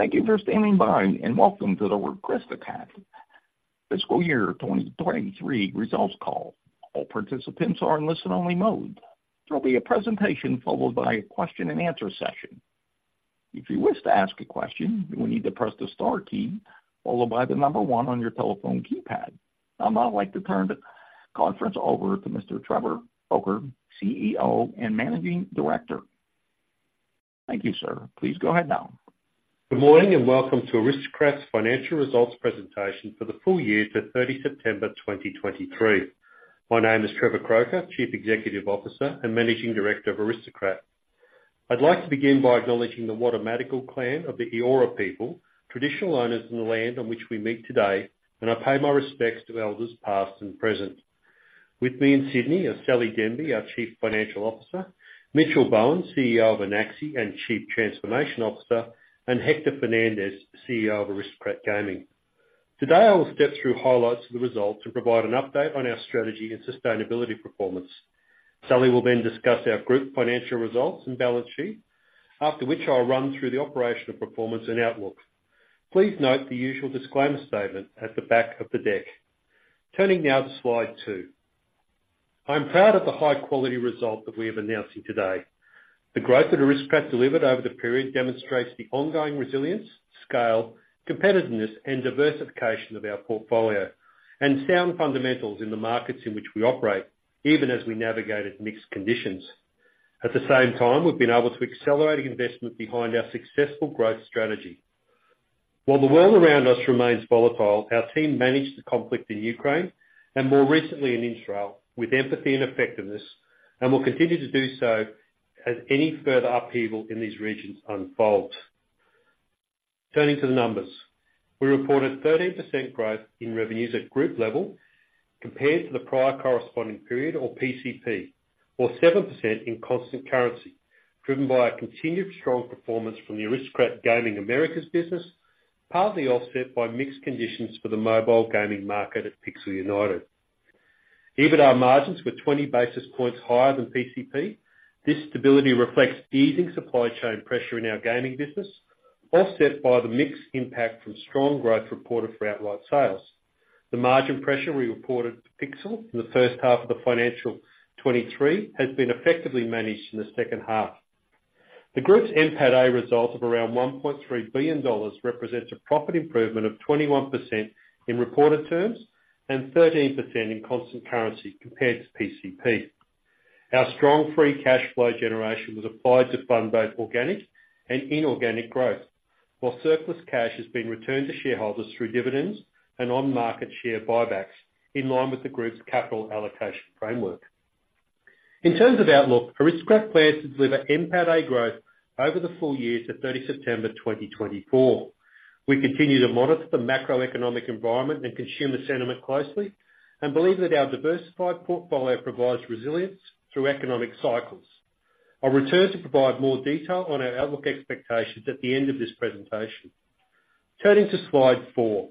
Thank you for standing by, and welcome to the Aristocrat Fiscal Year 2023 Results Call. All participants are in listen-only mode. There will be a presentation, followed by a question-and-answer session. If you wish to ask a question, you will need to press the star key, followed by the number one on your telephone keypad. Now, I'd like to turn the conference over to Mr. Trevor Croker, CEO and Managing Director. Thank you, sir. Please go ahead now. Good morning, and welcome to Aristocrat's financial results presentation for the full year to 30 September 2023. My name is Trevor Croker, Chief Executive Officer and Managing Director of Aristocrat. I'd like to begin by acknowledging the Wurundjeri clan of the Eora people, traditional owners in the land on which we meet today, and I pay my respects to elders, past and present. With me in Sydney are Sally Denby, our Chief Financial Officer, Mitchell Bowen, CEO of Anaxi and Chief Transformation Officer, and Hector Fernandez, CEO of Aristocrat Gaming. Today, I will step through highlights of the results and provide an update on our strategy and sustainability performance. Sally will then discuss our group financial results and balance sheet, after which I'll run through the operational performance and outlook. Please note the usual disclaimer statement at the back of the deck. Turning now to Slide 2. I'm proud of the high-quality result that we are announcing today. The growth that Aristocrat delivered over the period demonstrates the ongoing resilience, scale, competitiveness, and diversification of our portfolio, and sound fundamentals in the markets in which we operate, even as we navigated mixed conditions. At the same time, we've been able to accelerate investment behind our successful growth strategy. While the world around us remains volatile, our team managed the conflict in Ukraine and more recently in Israel with empathy and effectiveness, and will continue to do so as any further upheaval in these regions unfolds. Turning to the numbers. We reported 13% growth in revenues at group level compared to the prior corresponding period, or PCP, or 7% in constant currency, driven by a continued strong performance from the Aristocrat Gaming Americas business, partly offset by mixed conditions for the mobile gaming market at Pixel United. EBITDA margins were 20 basis points higher than PCP. This stability reflects easing supply chain pressure in our gaming business, offset by the mixed impact from strong growth reported for outright sales. The margin pressure we reported to Pixel in the first half of the financial 2023 has been effectively managed in the second half. The group's NPATA result of around AUD 1.3 billion represents a profit improvement of 21% in reported terms and 13% in constant currency compared to PCP. Our strong free cash flow generation was applied to fund both organic and inorganic growth, while surplus cash has been returned to shareholders through dividends and on-market share buybacks, in line with the group's capital allocation framework. In terms of outlook, Aristocrat plans to deliver NPATA growth over the full year to 30 September 2024. We continue to monitor the macroeconomic environment and consumer sentiment closely and believe that our diversified portfolio provides resilience through economic cycles. I'll return to provide more detail on our outlook expectations at the end of this presentation. Turning to Slide 4.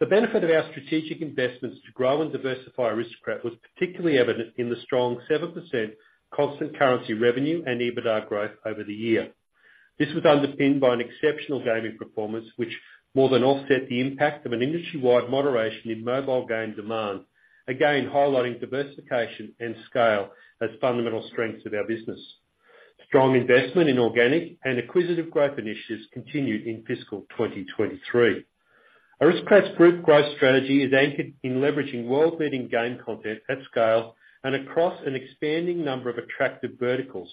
The benefit of our strategic investments to grow and diversify Aristocrat was particularly evident in the strong 7% constant currency revenue and EBITDA growth over the year. This was underpinned by an exceptional gaming performance, which more than offset the impact of an industry-wide moderation in mobile game demand. Again, highlighting diversification and scale as fundamental strengths of our business. Strong investment in organic and acquisitive growth initiatives continued in fiscal 2023. Aristocrat's group growth strategy is anchored in leveraging world-leading game content at scale and across an expanding number of attractive verticals.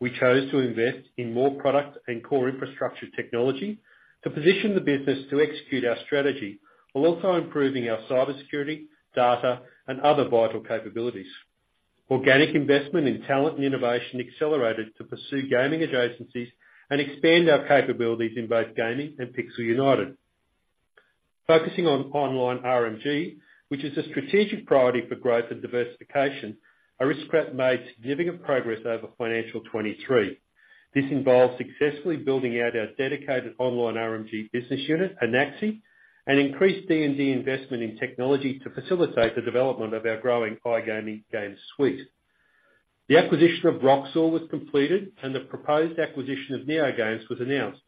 We chose to invest in more product and core infrastructure technology to position the business to execute our strategy, while also improving our cybersecurity, data, and other vital capabilities. Organic investment in talent and innovation accelerated to pursue gaming adjacencies and expand our capabilities in both gaming and Pixel United. Focusing on online RMG, which is a strategic priority for growth and diversification, Aristocrat made significant progress over financial 2023. This involves successfully building out our dedicated online RMG business unit, Anaxi, and increased D&D investment in technology to facilitate the development of our growing iGaming game suite. The acquisition of Roxor Gaming was completed, and the proposed acquisition of NeoGames was announced.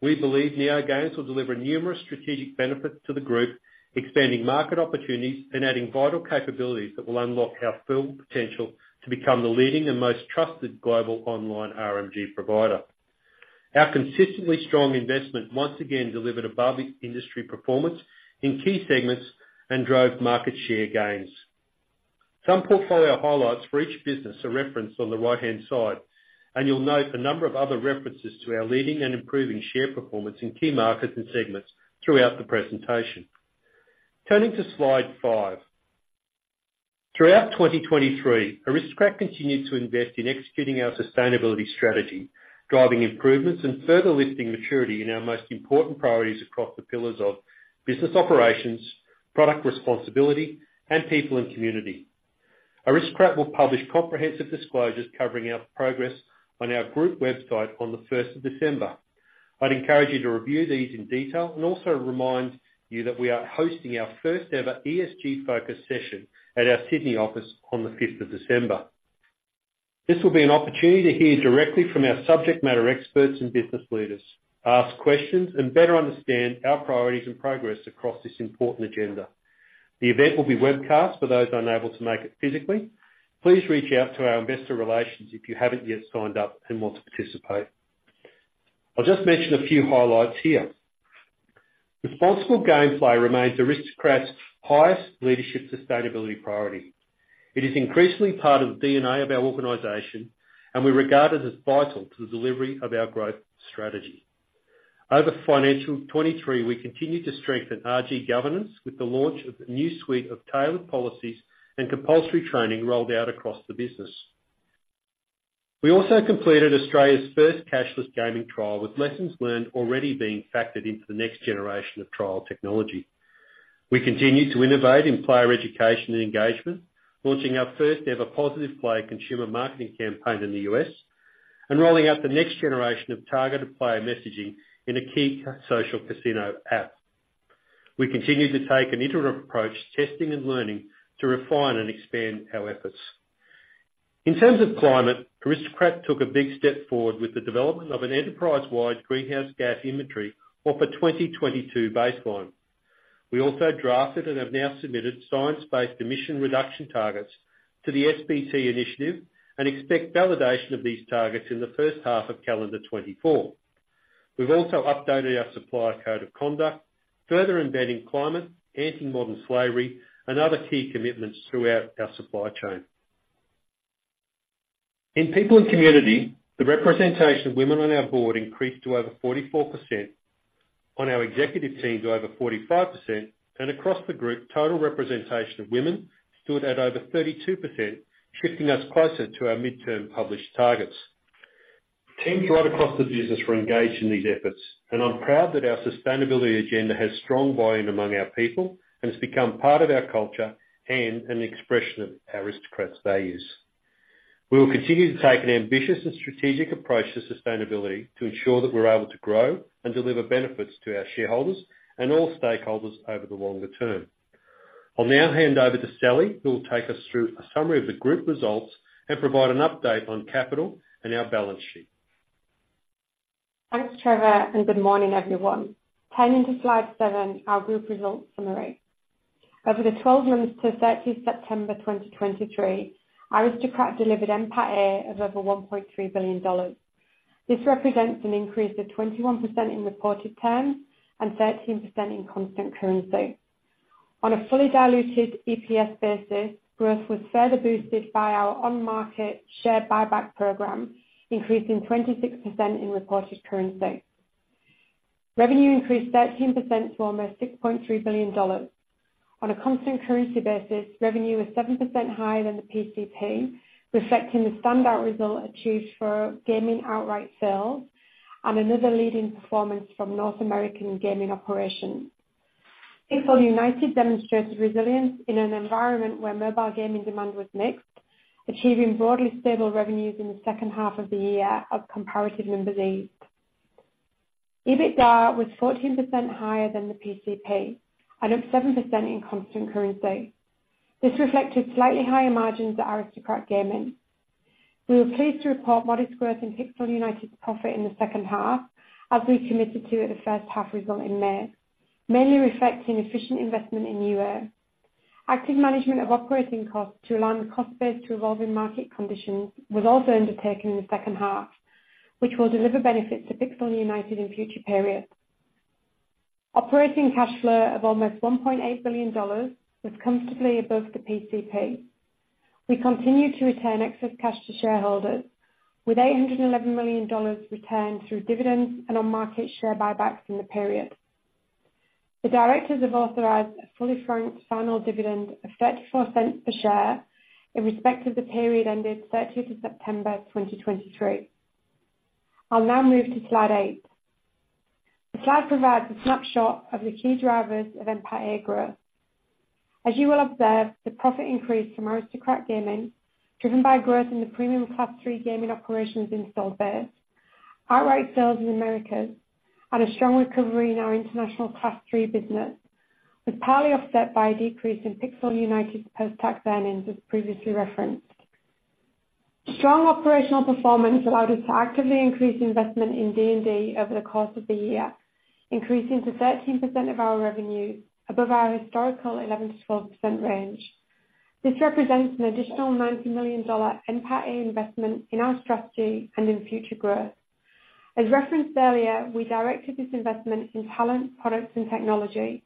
We believe NeoGames will deliver numerous strategic benefits to the group, expanding market opportunities and adding vital capabilities that will unlock our full potential to become the leading and most trusted global online RMG provider. Our consistently strong investment once again delivered above industry performance in key segments and drove market share gains. Some portfolio highlights for each business are referenced on the right-hand side, and you'll note a number of other references to our leading and improving share performance in key markets and segments throughout the presentation. Turning to slide 5. Throughout 2023, Aristocrat continued to invest in executing our sustainability strategy, driving improvements and further lifting maturity in our most important priorities across the pillars of business operations, product responsibility, and people and community. Aristocrat will publish comprehensive disclosures covering our progress on our group website on the first of December. I'd encourage you to review these in detail and also remind you that we are hosting our first-ever ESG-focused session at our Sydney office on the fifth of December. This will be an opportunity to hear directly from our subject matter experts and business leaders, ask questions, and better understand our priorities and progress across this important agenda. The event will be webcast for those unable to make it physically. Please reach out to our investor relations if you haven't yet signed up and want to participate. I'll just mention a few highlights here. Responsible gameplay remains Aristocrat's highest leadership sustainability priority. It is increasingly part of the DNA of our organization, and we regard it as vital to the delivery of our growth strategy. Over financial 23, we continued to strengthen RG governance, with the launch of a new suite of tailored policies and compulsory training rolled out across the business. We also completed Australia's first cashless gaming trial, with lessons learned already being factored into the next generation of trial technology. We continued to innovate in player education and engagement, launching our first-ever positive player consumer marketing campaign in the U.S., and rolling out the next generation of targeted player messaging in a key social casino app. We continued to take an interim approach, testing and learning, to refine and expand our efforts. In terms of climate, Aristocrat took a big step forward with the development of an enterprise-wide greenhouse gas inventory off a 2022 baseline. We also drafted and have now submitted science-based emission reduction targets to the SBTi and expect validation of these targets in the first half of calendar 2024. We've also updated our supplier code of conduct, further embedding climate, anti-modern slavery, and other key commitments throughout our supply chain. In people and community, the representation of women on our board increased to over 44%, on our executive team to over 45%, and across the group, total representation of women stood at over 32%, shifting us closer to our midterm published targets. Teams right across the business were engaged in these efforts, and I'm proud that our sustainability agenda has strong buy-in among our people and has become part of our culture and an expression of Aristocrat's values. We will continue to take an ambitious and strategic approach to sustainability to ensure that we're able to grow and deliver benefits to our shareholders and all stakeholders over the longer term. I'll now hand over to Sally, who will take us through a summary of the group results and provide an update on capital and our balance sheet. Thanks, Trevor, and good morning, everyone. Turning to slide 7, our group results summary. Over the twelve months to 13th September 2023, Aristocrat delivered NPAT of over 1.3 billion dollars. This represents an increase of 21% in reported terms and 13% in constant currency. On a fully diluted EPS basis, growth was further boosted by our on-market share buyback program, increasing 26% in reported currency. Revenue increased 13% to almost 6.3 billion dollars. On a constant currency basis, revenue was 7% higher than the PCP, reflecting the standout result achieved for gaming outright sales and another leading performance from North American gaming operations. Pixel United demonstrated resilience in an environment where mobile gaming demand was mixed, achieving broadly stable revenues in the second half of the year of comparative numbers 8. EBITDA was 14% higher than the PCP and up 7% in constant currency. This reflected slightly higher margins at Aristocrat Gaming. We were pleased to report modest growth in Pixel United's profit in the second half, as we committed to at the first half result in May, mainly reflecting efficient investment in UA. Active management of operating costs to align the cost base to evolving market conditions was also undertaken in the second half, which will deliver benefits to Pixel United in future periods. Operating cash flow of almost 1.8 billion dollars was comfortably above the PCP. We continue to return excess cash to shareholders, with 811 million dollars returned through dividends and on-market share buybacks in the period. The directors have authorized a fully franked final dividend of 0.34 per share in respect of the period ended 30 September 2023. I'll now move to slide 8. The slide provides a snapshot of the key drivers of NPAT growth. As you will observe, the profit increased from Aristocrat Gaming, driven by growth in the premium Class III gaming operations in install base, outright sales in Americas, and a strong recovery in our international Class III business, was partly offset by a decrease in Pixel United's post-tax earnings, as previously referenced. Strong operational performance allowed us to actively increase investment in D&D over the course of the year, increasing to 13% of our revenue, above our historical 11%-12% range. This represents an additional $90 million NPAT investment in our strategy and in future growth. As referenced earlier, we directed this investment in talent, products, and technology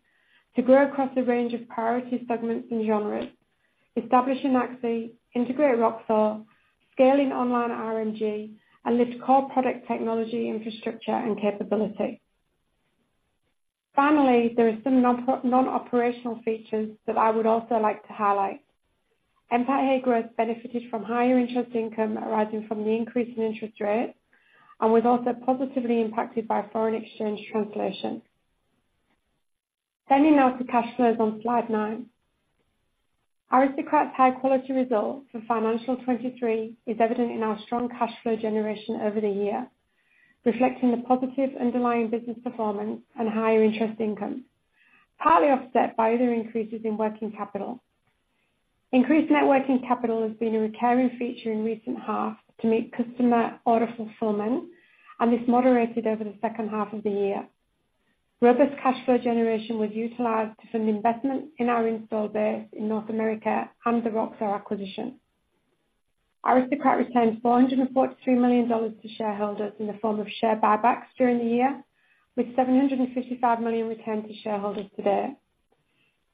to grow across a range of priority segments and genres, establishing Anaxi, integrated Roxor, scaling online RMG, and lifting core product technology, infrastructure, and capability. Finally, there are some non-operational features that I would also like to highlight. NPAT growth benefited from higher interest income arising from the increase in interest rates, and was also positively impacted by foreign exchange translation. Turning now to cash flows on slide 9. Aristocrat's high-quality results for financial 2023 is evident in our strong cash flow generation over the year, reflecting the positive underlying business performance and higher interest income, partly offset by other increases in working capital. Increased net working capital has been a recurring feature in recent halves to meet customer order fulfillment, and this moderated over the second half of the year. Robust cash flow generation was utilized to fund investment in our install base in North America and the Roxor acquisition. Aristocrat returned $443 million to shareholders in the form of share buybacks during the year, with $755 million returned to shareholders to date.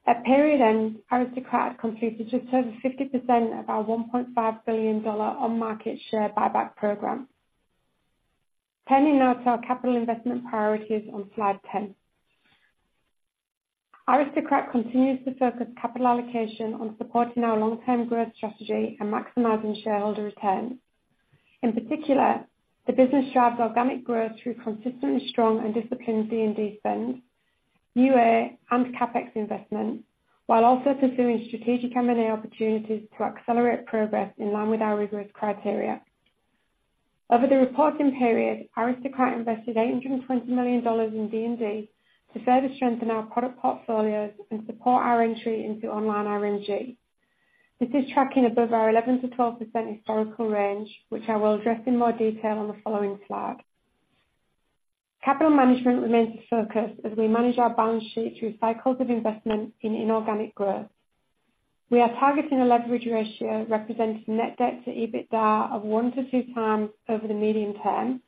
At period end, Aristocrat completed just over 50% of our $1.5 billion on-market share buyback program. Turning now to our capital investment priorities on slide 10. Aristocrat continues to focus capital allocation on supporting our long-term growth strategy and maximizing shareholder returns. In particular, the business drives organic growth through consistently strong and disciplined D&D spend, UA and CapEx investments, while also pursuing strategic M&A opportunities to accelerate progress in line with our rigorous criteria. Over the reporting period, Aristocrat invested 820 million dollars in D&D to further strengthen our product portfolios and support our entry into online RMG. This is tracking above our 11%-12% historical range, which I will address in more detail on the following slide. Capital management remains a focus as we manage our balance sheet through cycles of investment in inorganic growth. We are targeting a leverage ratio representing net debt to EBITDA of 1-2 times over the medium term,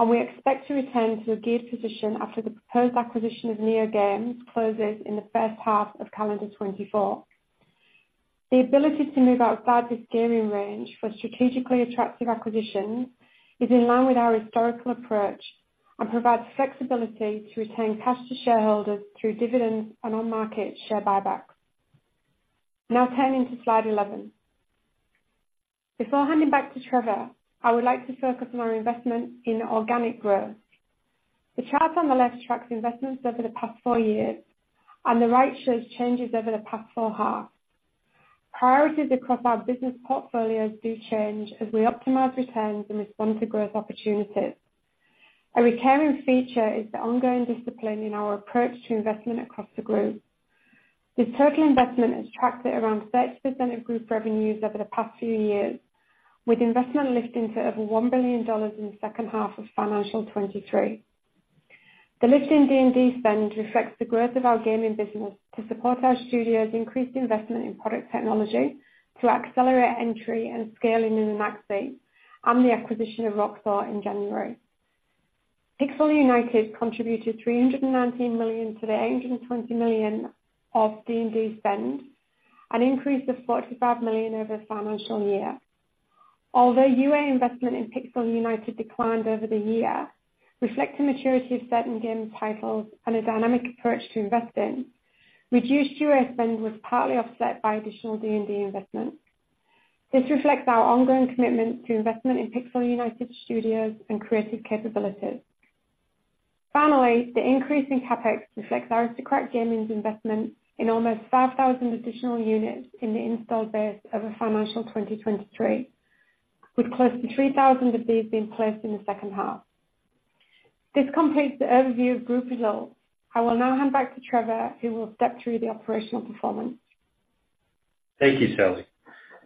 and we expect to return to a geared position after the proposed acquisition of NeoGames closes in the first half of calendar 2024. The ability to move outside this gearing range for strategically attractive acquisitions is in line with our historical approach and provides flexibility to return cash to shareholders through dividends and on-market share buybacks. Now turning to slide 11. Before handing back to Trevor, I would like to focus on our investment in organic growth. The chart on the left tracks investments over the past 4 years, and the right shows changes over the past 4 halves. Priorities across our business portfolios do change as we optimize returns and respond to growth opportunities. A recurring feature is the ongoing discipline in our approach to investment across the group. The total investment has tracked at around 30% of group revenues over the past few years, with investment lifting to over 1 billion dollars in the second half of financial 2023. The lift in D&D spend reflects the growth of our gaming business to support our studios' increased investment in product technology, to accelerate entry and scaling in the MAX space and the acquisition of Roxor in January. Pixel United contributed 319 million to the 820 million of D&D spend, an increase of 45 million over the financial year. Although UA investment in Pixel United declined over the year, reflecting maturity of certain game titles and a dynamic approach to investing, reduced UA spend was partly offset by additional D&D investments. This reflects our ongoing commitment to investment in Pixel United Studios and creative capabilities. Finally, the increase in CapEx reflects Aristocrat Gaming's investment in almost 5,000 additional units in the installed base over financial 2023, with close to 3,000 of these being placed in the second half. This completes the overview of group results. I will now hand back to Trevor, who will step through the operational performance. Thank you, Sally.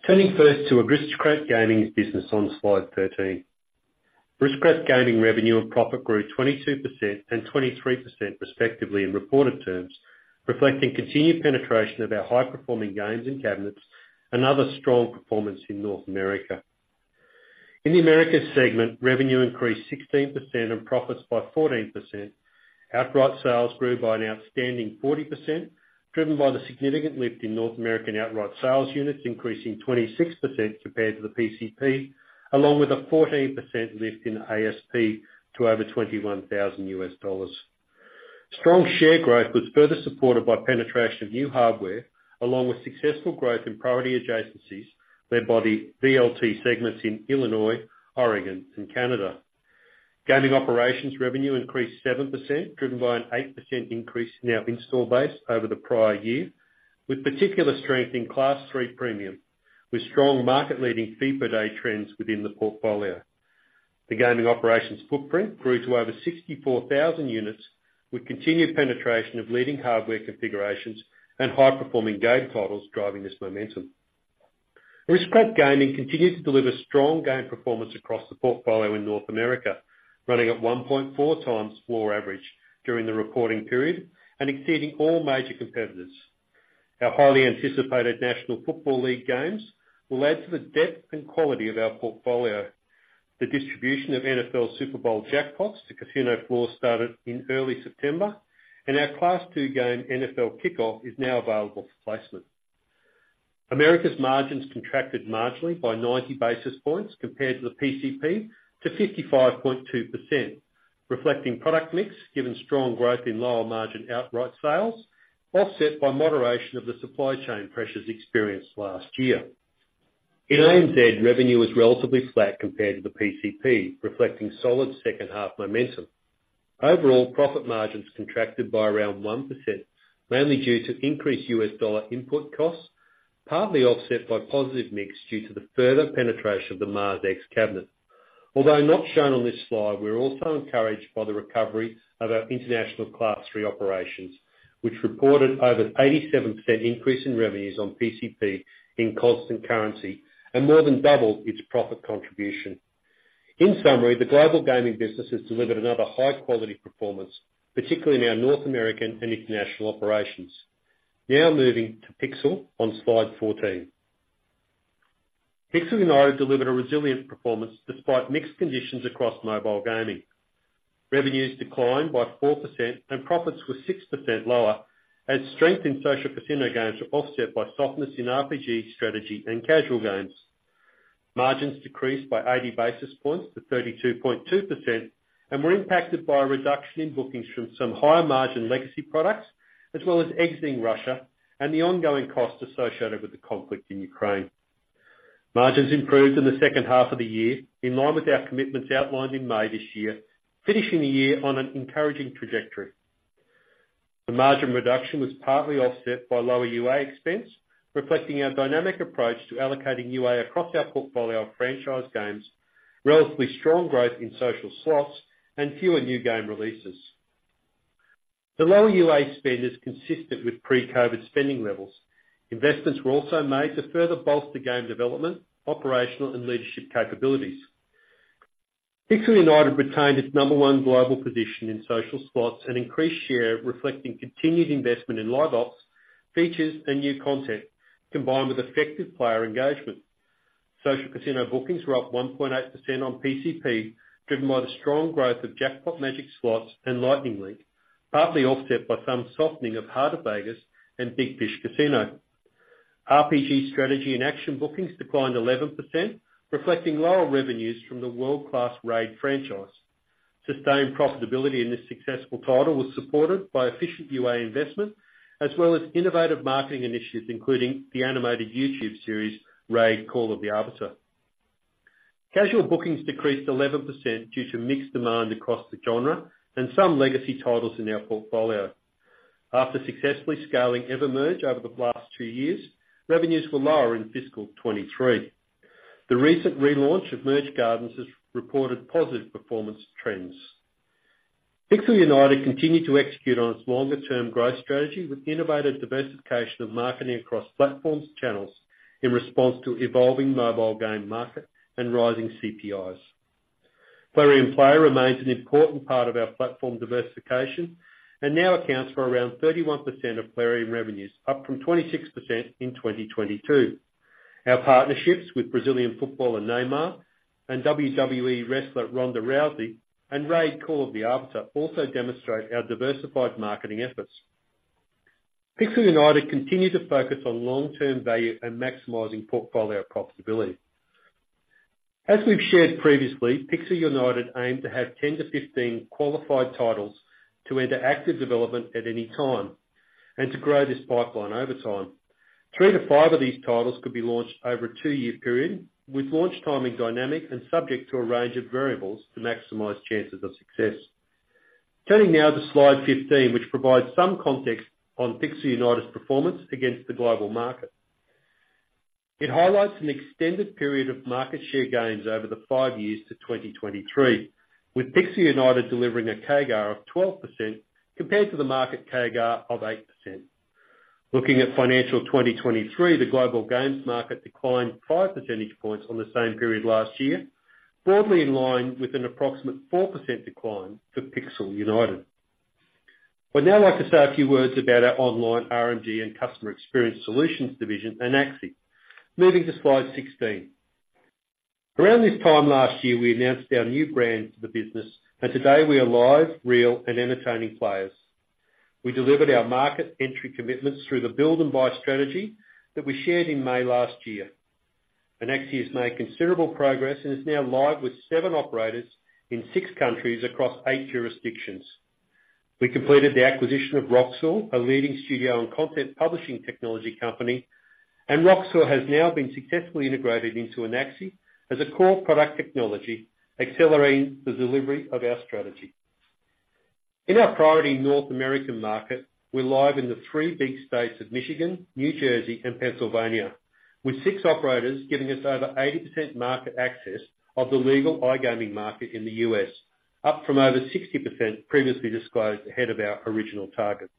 Turning first to Aristocrat Gaming's business on slide 13. Aristocrat Gaming revenue and profit grew 22% and 23% respectively in reported terms, reflecting continued penetration of our high-performing games and cabinets and other strong performance in North America. In the Americas segment, revenue increased 16% and profits by 14%. Outright sales grew by an outstanding 40%, driven by the significant lift in North American outright sales units, increasing 26% compared to the PCP, along with a 14% lift in ASP to over $21,000. Strong share growth was further supported by penetration of new hardware, along with successful growth in priority adjacencies led by the VLT segments in Illinois, Oregon, and Canada. Gaming operations revenue increased 7%, driven by an 8% increase in our install base over the prior year, with particular strength in Class III premium, with strong market-leading fee per day trends within the portfolio. The gaming operations footprint grew to over 64,000 units, with continued penetration of leading hardware configurations and high-performing game titles driving this momentum. Aristocrat Gaming continues to deliver strong game performance across the portfolio in North America, running at 1.4 times floor average during the reporting period and exceeding all major competitors. Our highly anticipated National Football League games will add to the depth and quality of our portfolio. The distribution of NFL Super Bowl Jackpots to casino floors started in early September, and our Class II game, NFL Kickoff, is now available for placement. Americas margins contracted marginally by 90 basis points compared to the PCP to 55.2%, reflecting product mix given strong growth in lower-margin outright sales, offset by moderation of the supply chain pressures experienced last year. In ANZ, revenue was relatively flat compared to the PCP, reflecting solid second half momentum. Overall, profit margins contracted by around 1%, mainly due to increased U.S. dollar input costs, partly offset by positive mix due to the further penetration of the MarsX cabinet.... Although not shown on this slide, we're also encouraged by the recovery of our international Class III operations, which reported over 87% increase in revenues on PCP in constant currency, and more than doubled its profit contribution. In summary, the global gaming business has delivered another high-quality performance, particularly in our North American and international operations. Now moving to Pixel on Slide 14. Pixel United delivered a resilient performance despite mixed conditions across mobile gaming. Revenues declined by 4%, and profits were 6% lower, as strength in social casino games were offset by softness in RPG strategy and casual games. Margins decreased by 80 basis points to 32.2%, and were impacted by a reduction in bookings from some higher margin legacy products, as well as exiting Russia and the ongoing costs associated with the conflict in Ukraine. Margins improved in the second half of the year, in line with our commitments outlined in May this year, finishing the year on an encouraging trajectory. The margin reduction was partly offset by lower UA expense, reflecting our dynamic approach to allocating UA across our portfolio of franchise games, relatively strong growth in social slots, and fewer new game releases. The lower UA spend is consistent with pre-COVID spending levels. Investments were also made to further bolster game development, operational, and leadership capabilities. Pixel United retained its number one global position in social slots and increased share, reflecting continued investment in live ops, features, and new content, combined with effective player engagement. Social casino bookings were up 1.8% on PCP, driven by the strong growth of Jackpot Magic Slots and Lightning Link, partly offset by some softening of Heart of Vegas and Big Fish Casino. RPG strategy and action bookings declined 11%, reflecting lower revenues from the world-class RAID franchise. Sustained profitability in this successful title was supported by efficient UA investment, as well as innovative marketing initiatives, including the animated YouTube series, RAID: Call of the Arbiter. Casual bookings decreased 11% due to mixed demand across the genre and some legacy titles in our portfolio. After successfully scaling EverMerge over the last two years, revenues were lower in fiscal 2023. The recent relaunch of Merge Gardens has reported positive performance trends. Pixel United continued to execute on its longer-term growth strategy with innovative diversification of marketing across platforms, channels, in response to evolving mobile game market and rising CPIs. Plarium Play remains an important part of our platform diversification and now accounts for around 31% of Plarium revenues, up from 26% in 2022. Our partnerships with Brazilian footballer Neymar and WWE wrestler Ronda Rousey, and RAID: Call of the Arbiter, also demonstrate our diversified marketing efforts. Pixel United continued to focus on long-term value and maximizing portfolio profitability. As we've shared previously, Pixel United aimed to have 10-15 qualified titles to enter active development at any time and to grow this pipeline over time. 3-5 of these titles could be launched over a 2-year period, with launch timing dynamic and subject to a range of variables to maximize chances of success. Turning now to Slide 15, which provides some context on Pixel United's performance against the global market. It highlights an extended period of market share gains over the 5 years to 2023, with Pixel United delivering a CAGR of 12% compared to the market CAGR of 8%. Looking at FY 2023, the global games market declined 5 percentage points on the same period last year, broadly in line with an approximate 4% decline for Pixel United. I'd now like to say a few words about our online RNG and customer experience solutions division, Anaxi. Moving to Slide 16. Around this time last year, we announced our new brand to the business, and today we are live, real, and entertaining players. We delivered our market entry commitments through the build-and-buy strategy that we shared in May last year. Anaxi has made considerable progress and is now live with seven operators in six countries across eight jurisdictions. We completed the acquisition of Roxor, a leading studio and content publishing technology company, and Roxor has now been successfully integrated into Anaxi as a core product technology, accelerating the delivery of our strategy. In our priority North American market, we're live in the three big states of Michigan, New Jersey, and Pennsylvania, with six operators giving us over 80% market access of the legal iGaming market in the U.S., up from over 60% previously disclosed ahead of our original target.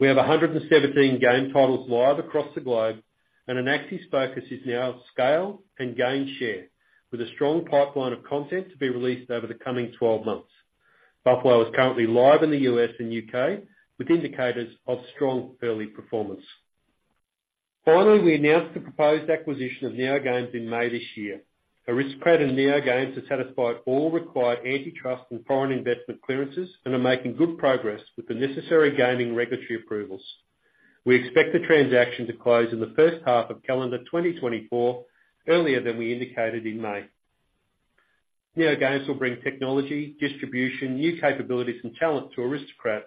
We have 117 game titles live across the globe, and Anaxi's focus is now scale and gain share, with a strong pipeline of content to be released over the coming 12 months. Buffalo is currently live in the U.S. and U.K., with indicators of strong early performance. Finally, we announced the proposed acquisition of NeoGames in May this year. Aristocrat and NeoGames have satisfied all required antitrust and foreign investment clearances and are making good progress with the necessary gaming regulatory approvals. We expect the transaction to close in the first half of calendar 2024, earlier than we indicated in May. NeoGames will bring technology, distribution, new capabilities, and talent to Aristocrat.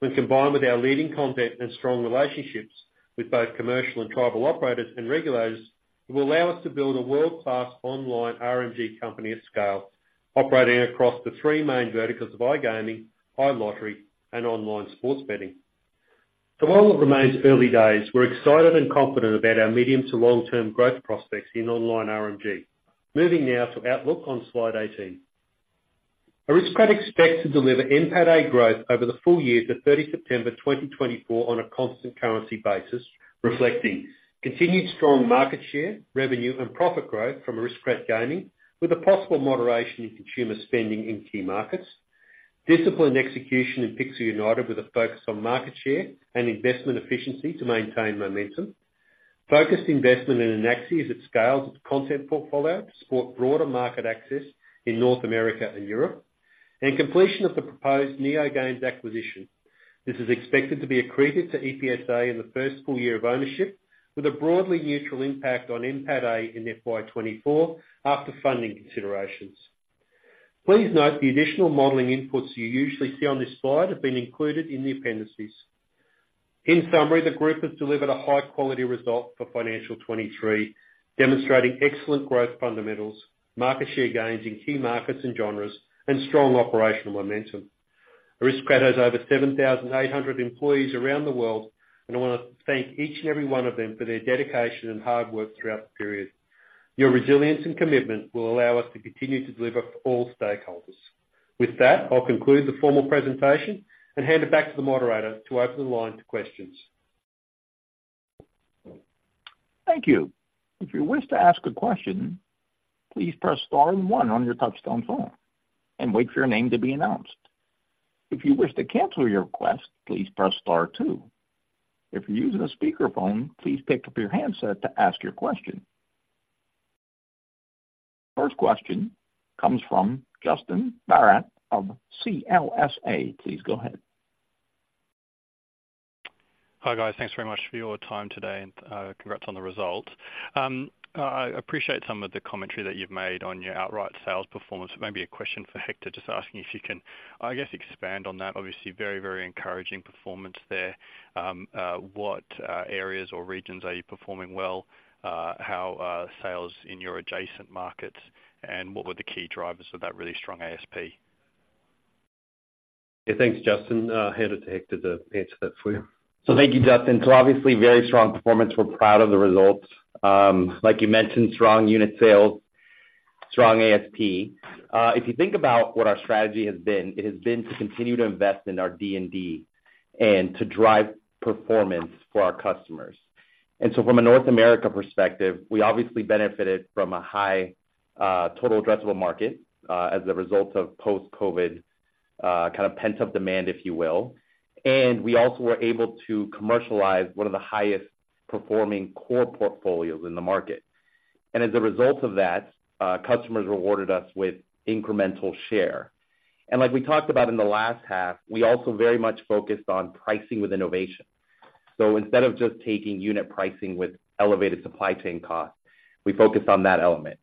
When combined with our leading content and strong relationships with both commercial and tribal operators and regulators, it will allow us to build a world-class online RNG company of scale, operating across the three main verticals of iGaming, iLottery, and online sports betting. So while it remains early days, we're excited and confident about our medium to long-term growth prospects in online RMG. Moving now to outlook on Slide 18. Aristocrat expects to deliver NPATA growth over the full year to 30 September 2024 on a constant currency basis, reflecting continued strong market share, revenue and profit growth from Aristocrat Gaming, with a possible moderation in consumer spending in key markets. Disciplined execution in Pixel United, with a focus on market share and investment efficiency to maintain momentum. Focused investment in Anaxi as it scales its content portfolio to support broader market access in North America and Europe, and completion of the proposed NeoGames acquisition. This is expected to be accretive to EPS in the first full year of ownership, with a broadly neutral impact on NPATA in FY 2024 after funding considerations. Please note the additional modeling inputs you usually see on this slide have been included in the appendices. In summary, the group has delivered a high-quality result for financial 2023, demonstrating excellent growth fundamentals, market share gains in key markets and genres, and strong operational momentum. Aristocrat has over 7,800 employees around the world, and I wanna thank each and every one of them for their dedication and hard work throughout the period. Your resilience and commitment will allow us to continue to deliver for all stakeholders. With that, I'll conclude the formal presentation and hand it back to the moderator to open the line to questions. Thank you. If you wish to ask a question, please press star and one on your touchtone phone and wait for your name to be announced. If you wish to cancel your request, please press star two. If you're using a speakerphone, please pick up your handset to ask your question. First question comes from Justin Barratt of CLSA. Please go ahead. Hi, guys. Thanks very much for your time today, and congrats on the results. I appreciate some of the commentary that you've made on your outright sales performance. Maybe a question for Hector, just asking if you can, I guess, expand on that. Obviously, very, very encouraging performance there. What areas or regions are you performing well? How are sales in your adjacent markets, and what were the key drivers of that really strong ASP? Yeah, thanks, Justin. Hand it to Hector to answer that for you. So thank you, Justin. So obviously, very strong performance. We're proud of the results. Like you mentioned, strong unit sales, strong ASP. If you think about what our strategy has been, it has been to continue to invest in our D&D and to drive performance for our customers. And so from a North America perspective, we obviously benefited from a high total addressable market as a result of post-COVID kind of pent-up demand, if you will. And we also were able to commercialize one of the highest performing core portfolios in the market. And as a result of that, customers rewarded us with incremental share. And like we talked about in the last half, we also very much focused on pricing with innovation. So instead of just taking unit pricing with elevated supply chain costs, we focused on that element.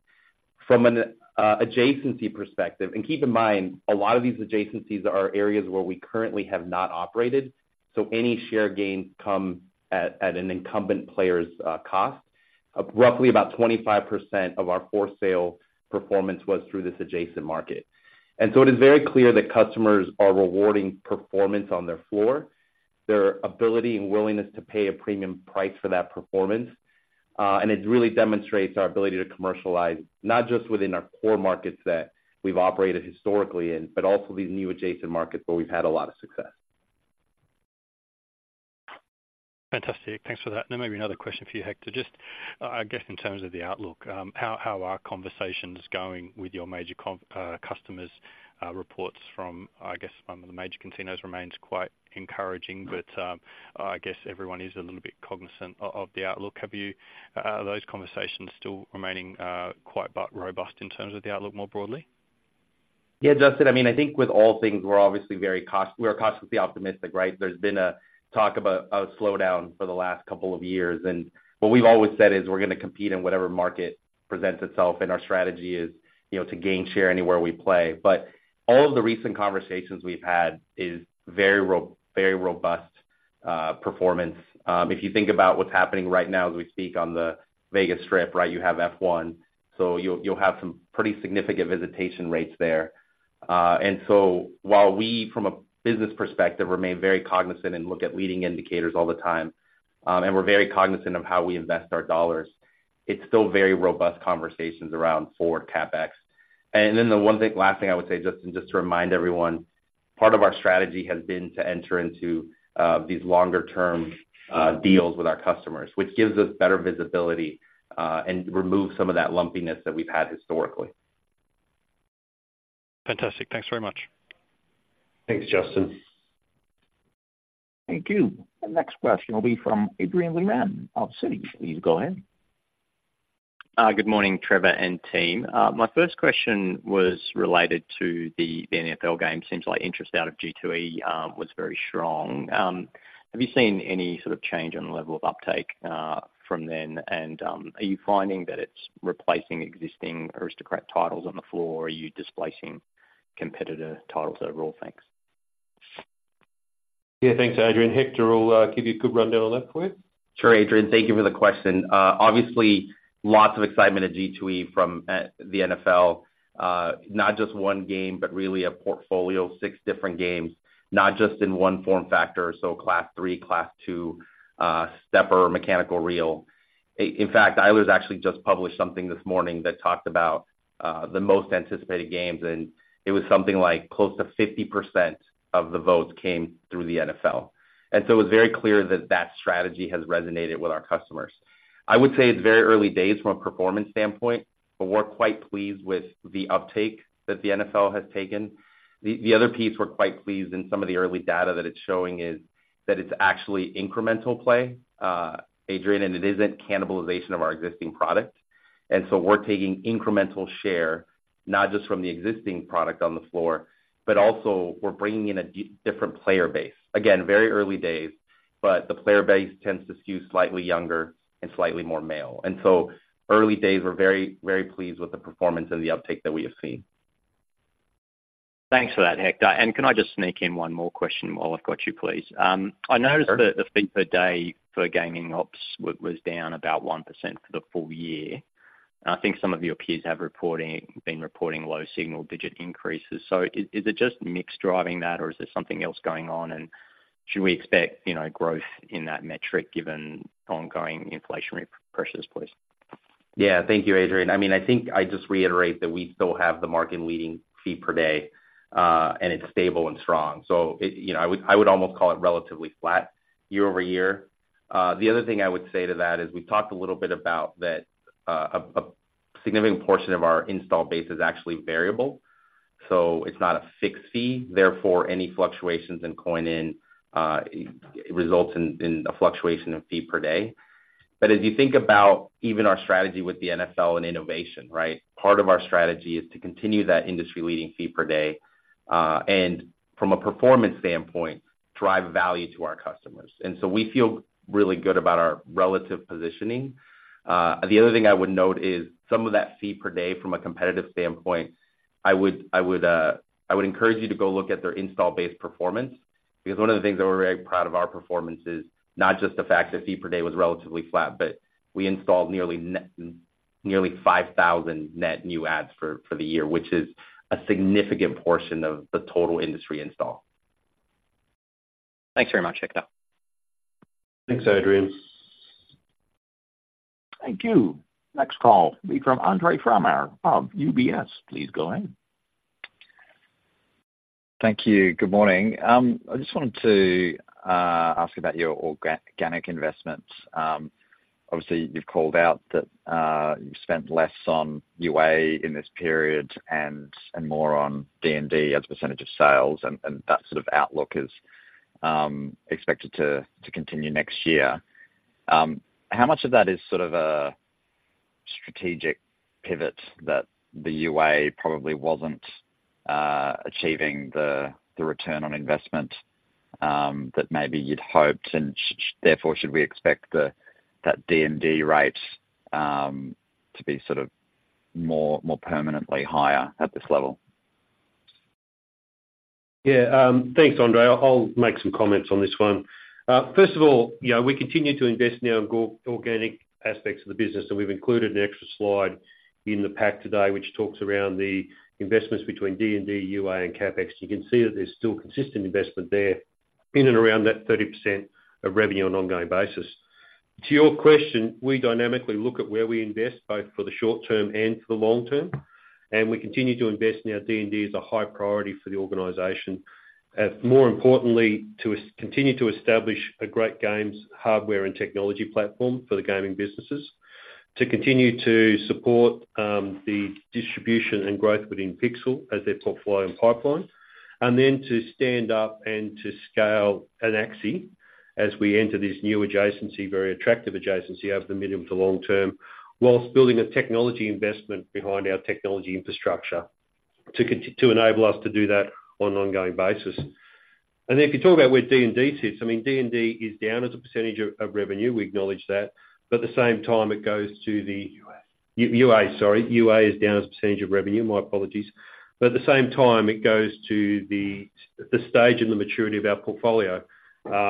From an adjacency perspective, and keep in mind, a lot of these adjacencies are areas where we currently have not operated, so any share gains come at, at an incumbent player's cost. Roughly about 25% of our core sale performance was through this adjacent market. And so it is very clear that customers are rewarding performance on their floor, their ability and willingness to pay a premium price for that performance, and it really demonstrates our ability to commercialize, not just within our core markets that we've operated historically in, but also these new adjacent markets where we've had a lot of success. Fantastic. Thanks for that. And maybe another question for you, Hector. Just, I guess, in terms of the outlook, how are conversations going with your major customers? Reports from, I guess, some of the major casinos remains quite encouraging, but I guess everyone is a little bit cognizant of the outlook. Are those conversations still remaining quite but robust in terms of the outlook more broadly? Yeah, Justin, I mean, I think with all things, we're obviously very cost-conscious. We are constantly optimistic, right? There's been a talk about a slowdown for the last couple of years, and what we've always said is we're gonna compete in whatever market presents itself, and our strategy is, you know, to gain share anywhere we play. But all of the recent conversations we've had is very robust performance. If you think about what's happening right now as we speak on the Vegas Strip, right, you have F1, so you'll have some pretty significant visitation rates there. And so while we, from a business perspective, remain very cognizant and look at leading indicators all the time, and we're very cognizant of how we invest our dollars, it's still very robust conversations around forward CapEx. And then the one thing, last thing I would say, just, just to remind everyone, part of our strategy has been to enter into these longer-term deals with our customers, which gives us better visibility and removes some of that lumpiness that we've had historically. Fantastic. Thanks very much. Thanks, Justin. Thank you. The next question will be from Adrian Lim of Citi. Please go ahead. Good morning, Trevor and team. My first question was related to the NFL game. Seems like interest out of G2E was very strong. Have you seen any sort of change in the level of uptake from then? Are you finding that it's replacing existing Aristocrat titles on the floor, or are you displacing competitor titles overall? Thanks. Yeah, thanks, Adrian. Hector will give you a good rundown on that for you.... Sure, Adrian, thank you for the question. Obviously, lots of excitement at G2E from the NFL. Not just one game, but really a portfolio, six different games, not just in one form factor, so Class III, Class II, stepper, mechanical reel. In fact, Eilers actually just published something this morning that talked about the most anticipated games, and it was something like close to 50% of the votes came through the NFL. And so it was very clear that that strategy has resonated with our customers. I would say it's very early days from a performance standpoint, but we're quite pleased with the uptake that the NFL has taken. The other piece we're quite pleased in some of the early data that it's showing is that it's actually incremental play, Adrian, and it isn't cannibalization of our existing product. So we're taking incremental share, not just from the existing product on the floor, but also we're bringing in a different player base. Again, very early days, but the player base tends to skew slightly younger and slightly more male. And so early days, we're very, very pleased with the performance and the uptake that we have seen. Thanks for that, Hector. Can I just sneak in one more question while I've got you, please? I noticed- Sure... that the fee per day for gaming ops was down about 1% for the full year. I think some of your peers have been reporting low single-digit increases. So is it just mix driving that, or is there something else going on, and should we expect, you know, growth in that metric, given ongoing inflationary pressures, please? Yeah. Thank you, Adrian. I mean, I think I just reiterate that we still have the market-leading fee per day, and it's stable and strong. So it, you know, I would almost call it relatively flat year-over-year. The other thing I would say to that is, we've talked a little bit about that, a significant portion of our install base is actually variable, so it's not a fixed fee. Therefore, any fluctuations in coin in results in a fluctuation of fee per day. But as you think about even our strategy with the NFL and innovation, right? Part of our strategy is to continue that industry-leading fee per day, and from a performance standpoint, drive value to our customers. And so we feel really good about our relative positioning. The other thing I would note is some of that fee per day from a competitive standpoint. I would encourage you to go look at their install base performance. Because one of the things that we're very proud of our performance is not just the fact that fee per day was relatively flat, but we installed nearly 5,000 net new adds for the year, which is a significant portion of the total industry install. Thanks very much, Hector. Thanks, Adrian. Thank you. Next call will be from Andre Fromyhr of UBS. Please go ahead. Thank you. Good morning. I just wanted to ask about your organic investments. Obviously, you've called out that you've spent less on UA in this period and more on D&D as a percentage of sales, and that sort of outlook is expected to continue next year. How much of that is sort of a strategic pivot that the UA probably wasn't achieving the return on investment that maybe you'd hoped, and therefore, should we expect that D&D rate to be sort of more permanently higher at this level? Yeah. Thanks, Andre. I'll make some comments on this one. First of all, you know, we continue to invest in our organic aspects of the business, and we've included an extra slide in the pack today, which talks around the investments between D&D, UA, and CapEx. You can see that there's still consistent investment there in and around that 30% of revenue on an ongoing basis. To your question, we dynamically look at where we invest, both for the short term and for the long term, and we continue to invest in our D&D as a high priority for the organization. More importantly, to continue to establish a great games, hardware, and technology platform for the gaming businesses. To continue to support the distribution and growth within Pixel as their portfolio and pipeline, and then to stand up and to scale Anaxi, as we enter this new adjacency, very attractive adjacency over the medium to long term, while building a technology investment behind our technology infrastructure, to enable us to do that on an ongoing basis. And if you talk about where D&D sits, I mean, D&D is down as a percentage of revenue. We acknowledge that, but at the same time, it goes to the- UA. UA, sorry. UA is down as a percentage of revenue. My apologies. But at the same time, it goes to the stage and the maturity of our portfolio.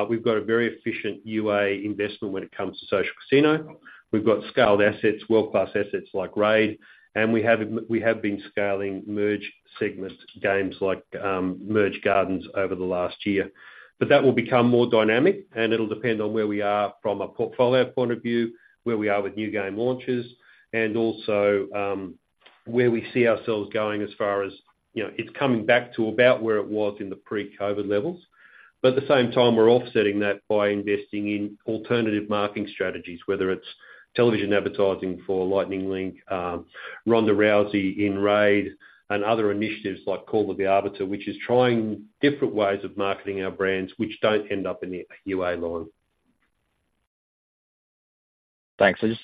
We've got a very efficient UA investment when it comes to Social Casino. We've got scaled assets, world-class assets like Raid, and we have been scaling Merge segment games like Merge Gardens over the last year. But that will become more dynamic, and it'll depend on where we are from a portfolio point of view, where we are with new game launches, and also where we see ourselves going as far as, you know, it's coming back to about where it was in the pre-COVID levels. But at the same time, we're offsetting that by investing in alternative marketing strategies, whether it's television advertising for Lightning Link, Ronda Rousey in RAID, and other initiatives like Call of the Arbiter, which is trying different ways of marketing our brands, which don't end up in the UA line. Thanks. I just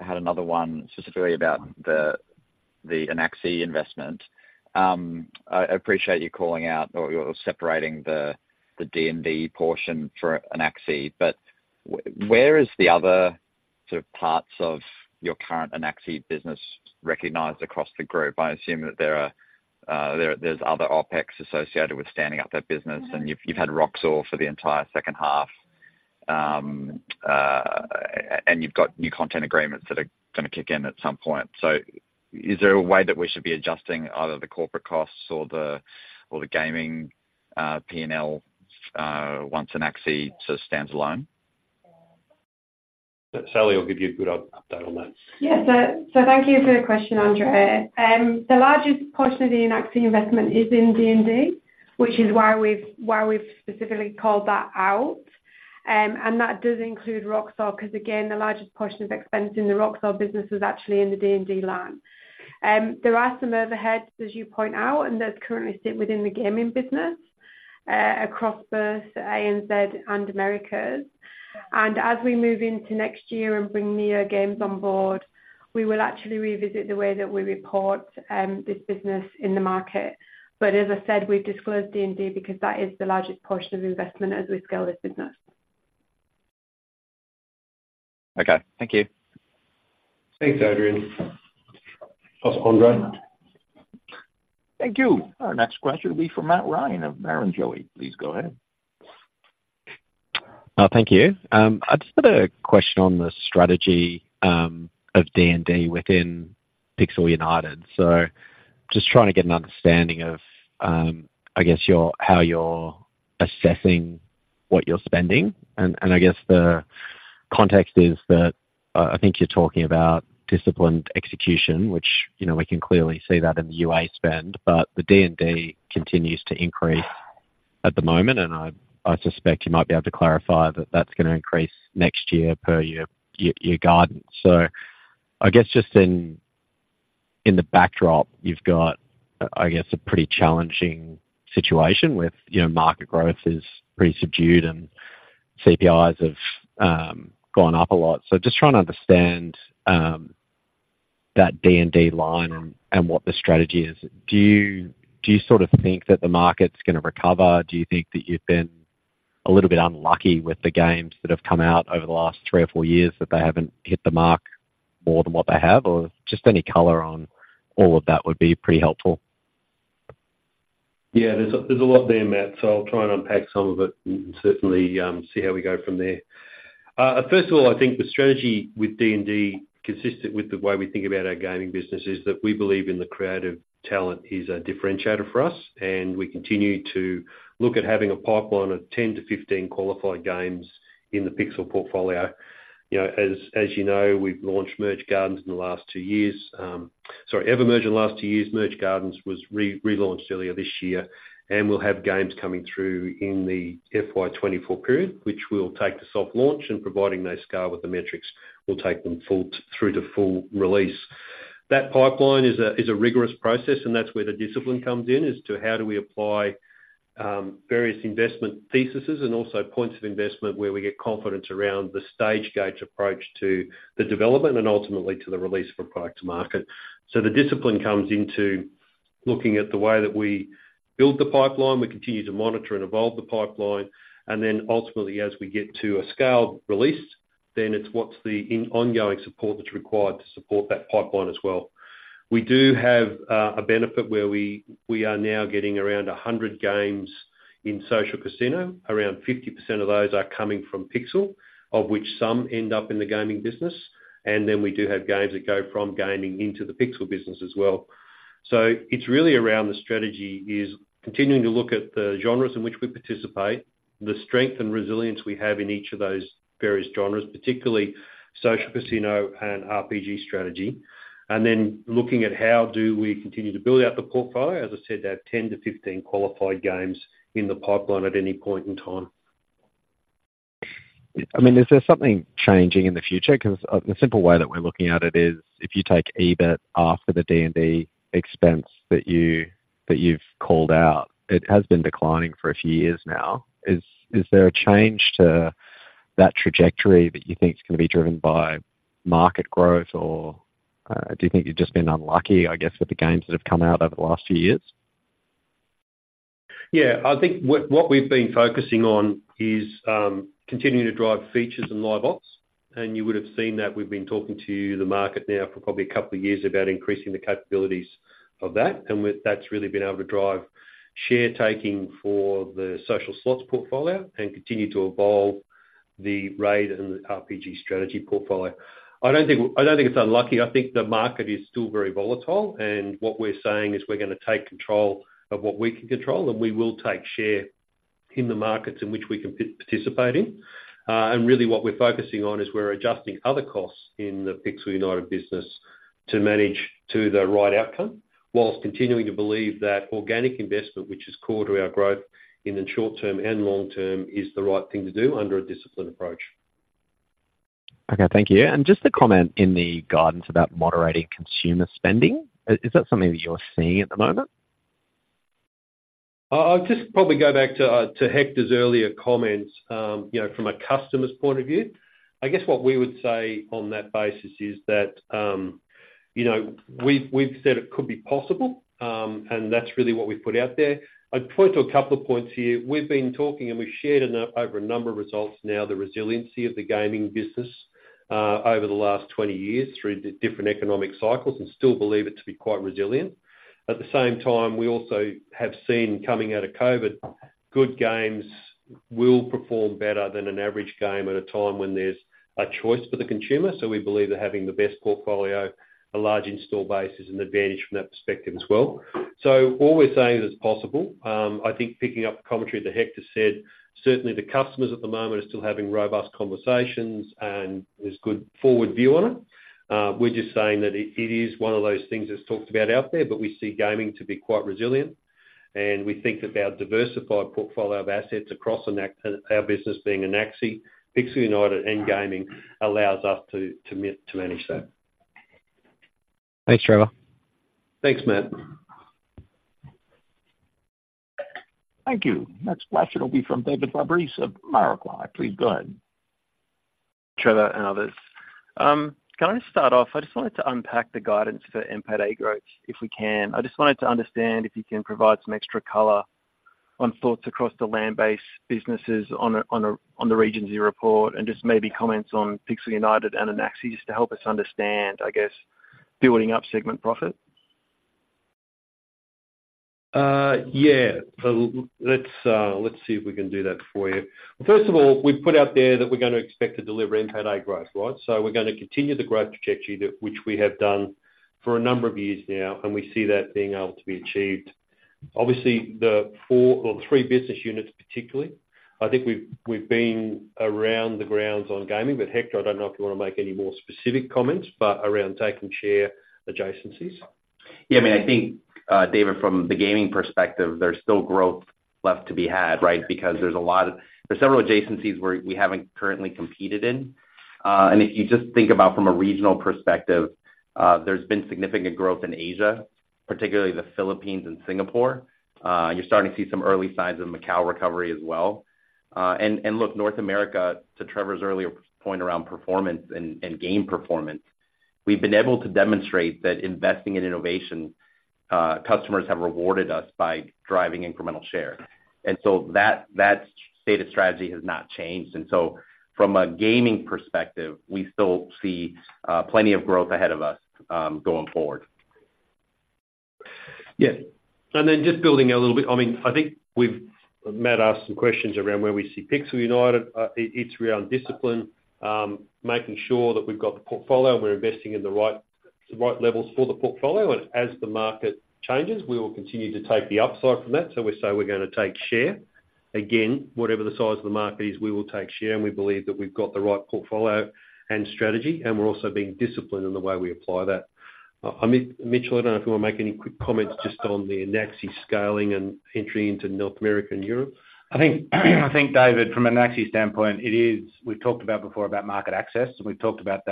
had another one, specifically about the Anaxi investment. I appreciate you calling out or separating the D&D portion for Anaxi, but where is the other two parts of your current Anaxi business recognized across the group. I assume that there are other OpEx associated with standing up that business, and you've had Roxor for the entire second half. And you've got new content agreements that are gonna kick in at some point. So is there a way that we should be adjusting either the corporate costs or the gaming PNL once Anaxi sort of stands alone? Sally will give you a good update on that. Yes. So thank you for the question, Andre. The largest portion of the Anaxi investment is in D&D, which is why we've specifically called that out. And that does include Roxor, 'cause again, the largest portion of expense in the Roxor business is actually in the D&D line. There are some overheads, as you point out, and those currently sit within the gaming business, across both ANZ and Americas. And as we move into next year and bring NeoGames on board, we will actually revisit the way that we report this business in the market. But as I said, we've disclosed D&D because that is the largest portion of investment as we scale this business. Okay, thank you. Thanks, Adrian. Plus Andre. Thank you. Our next question will be from Matt Ryan of Barrenjoey. Please go ahead. Thank you. I've just got a question on the strategy of D&D within Pixel United. So just trying to get an understanding of, I guess, your-- how you're assessing what you're spending. And, and I guess the context is that, I think you're talking about disciplined execution, which, you know, we can clearly see that in the UA spend, but the D&D continues to increase at the moment, and I, I suspect you might be able to clarify that that's gonna increase next year per your, your, your guidance. So I guess just in, in the backdrop, you've got, I guess, a pretty challenging situation with, you know, market growth is pretty subdued and CPIs have gone up a lot. So just trying to understand that D&D line and, and what the strategy is. Do you, do you sort of think that the market's gonna recover? Do you think that you've been a little bit unlucky with the games that have come out over the last three or four years, that they haven't hit the mark more than what they have? Or just any color on all of that would be pretty helpful? Yeah, there's a lot there, Matt, so I'll try and unpack some of it and certainly see how we go from there. First of all, I think the strategy with D&D, consistent with the way we think about our gaming business, is that we believe in the creative talent is a differentiator for us, and we continue to look at having a pipeline of 10-15 qualified games in the Pixel portfolio. You know, as you know, we've launched Merge Gardens in the last two years. Sorry, EverMerge in the last two years. Merge Gardens was relaunched earlier this year, and we'll have games coming through in the FY 2024 period, which we'll take to soft launch, and providing they scale with the metrics, we'll take them full through to full release. That pipeline is a rigorous process, and that's where the discipline comes in, as to how do we apply various investment theses and also points of investment where we get confidence around the stage gate approach to the development and ultimately to the release of a product to market. So the discipline comes into looking at the way that we build the pipeline. We continue to monitor and evolve the pipeline, and then ultimately, as we get to a scaled release, then it's what's the ongoing support that's required to support that pipeline as well. We do have a benefit where we are now getting around 100 games in Social Casino. Around 50% of those are coming from Pixel, of which some end up in the gaming business, and then we do have games that go from gaming into the Pixel business as well. So it's really around the strategy, is continuing to look at the genres in which we participate, the strength and resilience we have in each of those various genres, particularly Social Casino and RPG strategy, and then looking at how do we continue to build out the portfolio, as I said, to have 10-15 qualified games in the pipeline at any point in time. I mean, is there something changing in the future? Because, the simple way that we're looking at it is, if you take EBIT after the D&D expense that you, that you've called out, it has been declining for a few years now. Is there a change to that trajectory that you think is gonna be driven by market growth, or, do you think you've just been unlucky, I guess, with the games that have come out over the last few years? Yeah, I think what we've been focusing on is continuing to drive features and live ops, and you would have seen that we've been talking to the market now for probably a couple of years about increasing the capabilities of that. And that's really been able to drive share taking for the Social Slots portfolio and continue to evolve the RAID and the RPG strategy portfolio. I don't think it's unlucky. I think the market is still very volatile, and what we're saying is we're gonna take control of what we can control, and we will take share in the markets in which we can participate in. And really what we're focusing on is we're adjusting other costs in the Pixel United business to manage to the right outcome, while continuing to believe that organic investment, which is core to our growth in the short term and long term, is the right thing to do under a disciplined approach. Okay, thank you. Just a comment in the guidance about moderating consumer spending. Is that something that you're seeing at the moment? I'll just probably go back to, to Hector's earlier comments, you know, from a customer's point of view. I guess what we would say on that basis is that you know, we've, we've said it could be possible, and that's really what we've put out there. I'd point to a couple of points here. We've been talking, and we've shared over a number of results now, the resiliency of the gaming business, over the last 20 years, through the different economic cycles, and still believe it to be quite resilient. At the same time, we also have seen, coming out of COVID, good games will perform better than an average game at a time when there's a choice for the consumer. So we believe that having the best portfolio, a large install base, is an advantage from that perspective as well. All we're saying is, it's possible. I think picking up the commentary that Hector said, certainly the customers at the moment are still having robust conversations, and there's good forward view on it. We're just saying that it is one of those things that's talked about out there, but we see gaming to be quite resilient. We think that our diversified portfolio of assets across Anaxi, our business being Anaxi, Pixel United, and Gaming, allows us to manage that. Thanks, Trevor. Thanks, Matt. Thank you. Next question will be from David Fabris of Macquarie. Please go ahead. Trevor and others. Can I just start off? I just wanted to unpack the guidance for NPATA growth, if we can. I just wanted to understand if you can provide some extra color on thoughts across the land-based businesses on the regulatory report, and just maybe comments on Pixel United and Anaxi, just to help us understand, I guess, building up segment profit. Yeah. So let's see if we can do that for you. First of all, we've put out there that we're gonna expect to deliver NPATA growth, right? So we're gonna continue the growth trajectory that which we have done for a number of years now, and we see that being able to be achieved. Obviously, the four or three business units, particularly, I think we've been around the grounds on gaming, but Hector, I don't know if you wanna make any more specific comments, but around taking share adjacencies. Yeah, I mean, I think, David, from the gaming perspective, there's still growth left to be had, right? Because there's several adjacencies where we haven't currently competed in. And if you just think about from a regional perspective, there's been significant growth in Asia, particularly the Philippines and Singapore. You're starting to see some early signs of Macau recovery as well. And look, North America, to Trevor's earlier point around performance and game performance, we've been able to demonstrate that investing in innovation, customers have rewarded us by driving incremental share. And so that state of strategy has not changed. And so from a gaming perspective, we still see plenty of growth ahead of us, going forward. Yeah. And then just building a little bit, I mean, I think we've, Matt asked some questions around where we see Pixel United. It's around discipline, making sure that we've got the portfolio, and we're investing in the right, the right levels for the portfolio. And as the market changes, we will continue to take the upside from that. So we say we're gonna take share. Again, whatever the size of the market is, we will take share, and we believe that we've got the right portfolio and strategy, and we're also being disciplined in the way we apply that. I mean, Mitchell, I don't know if you want to make any quick comments just on the Anaxi scaling and entry into North America and Europe. I think, I think, David, from an Anaxi standpoint, it is... We've talked about before about market access, and we've talked about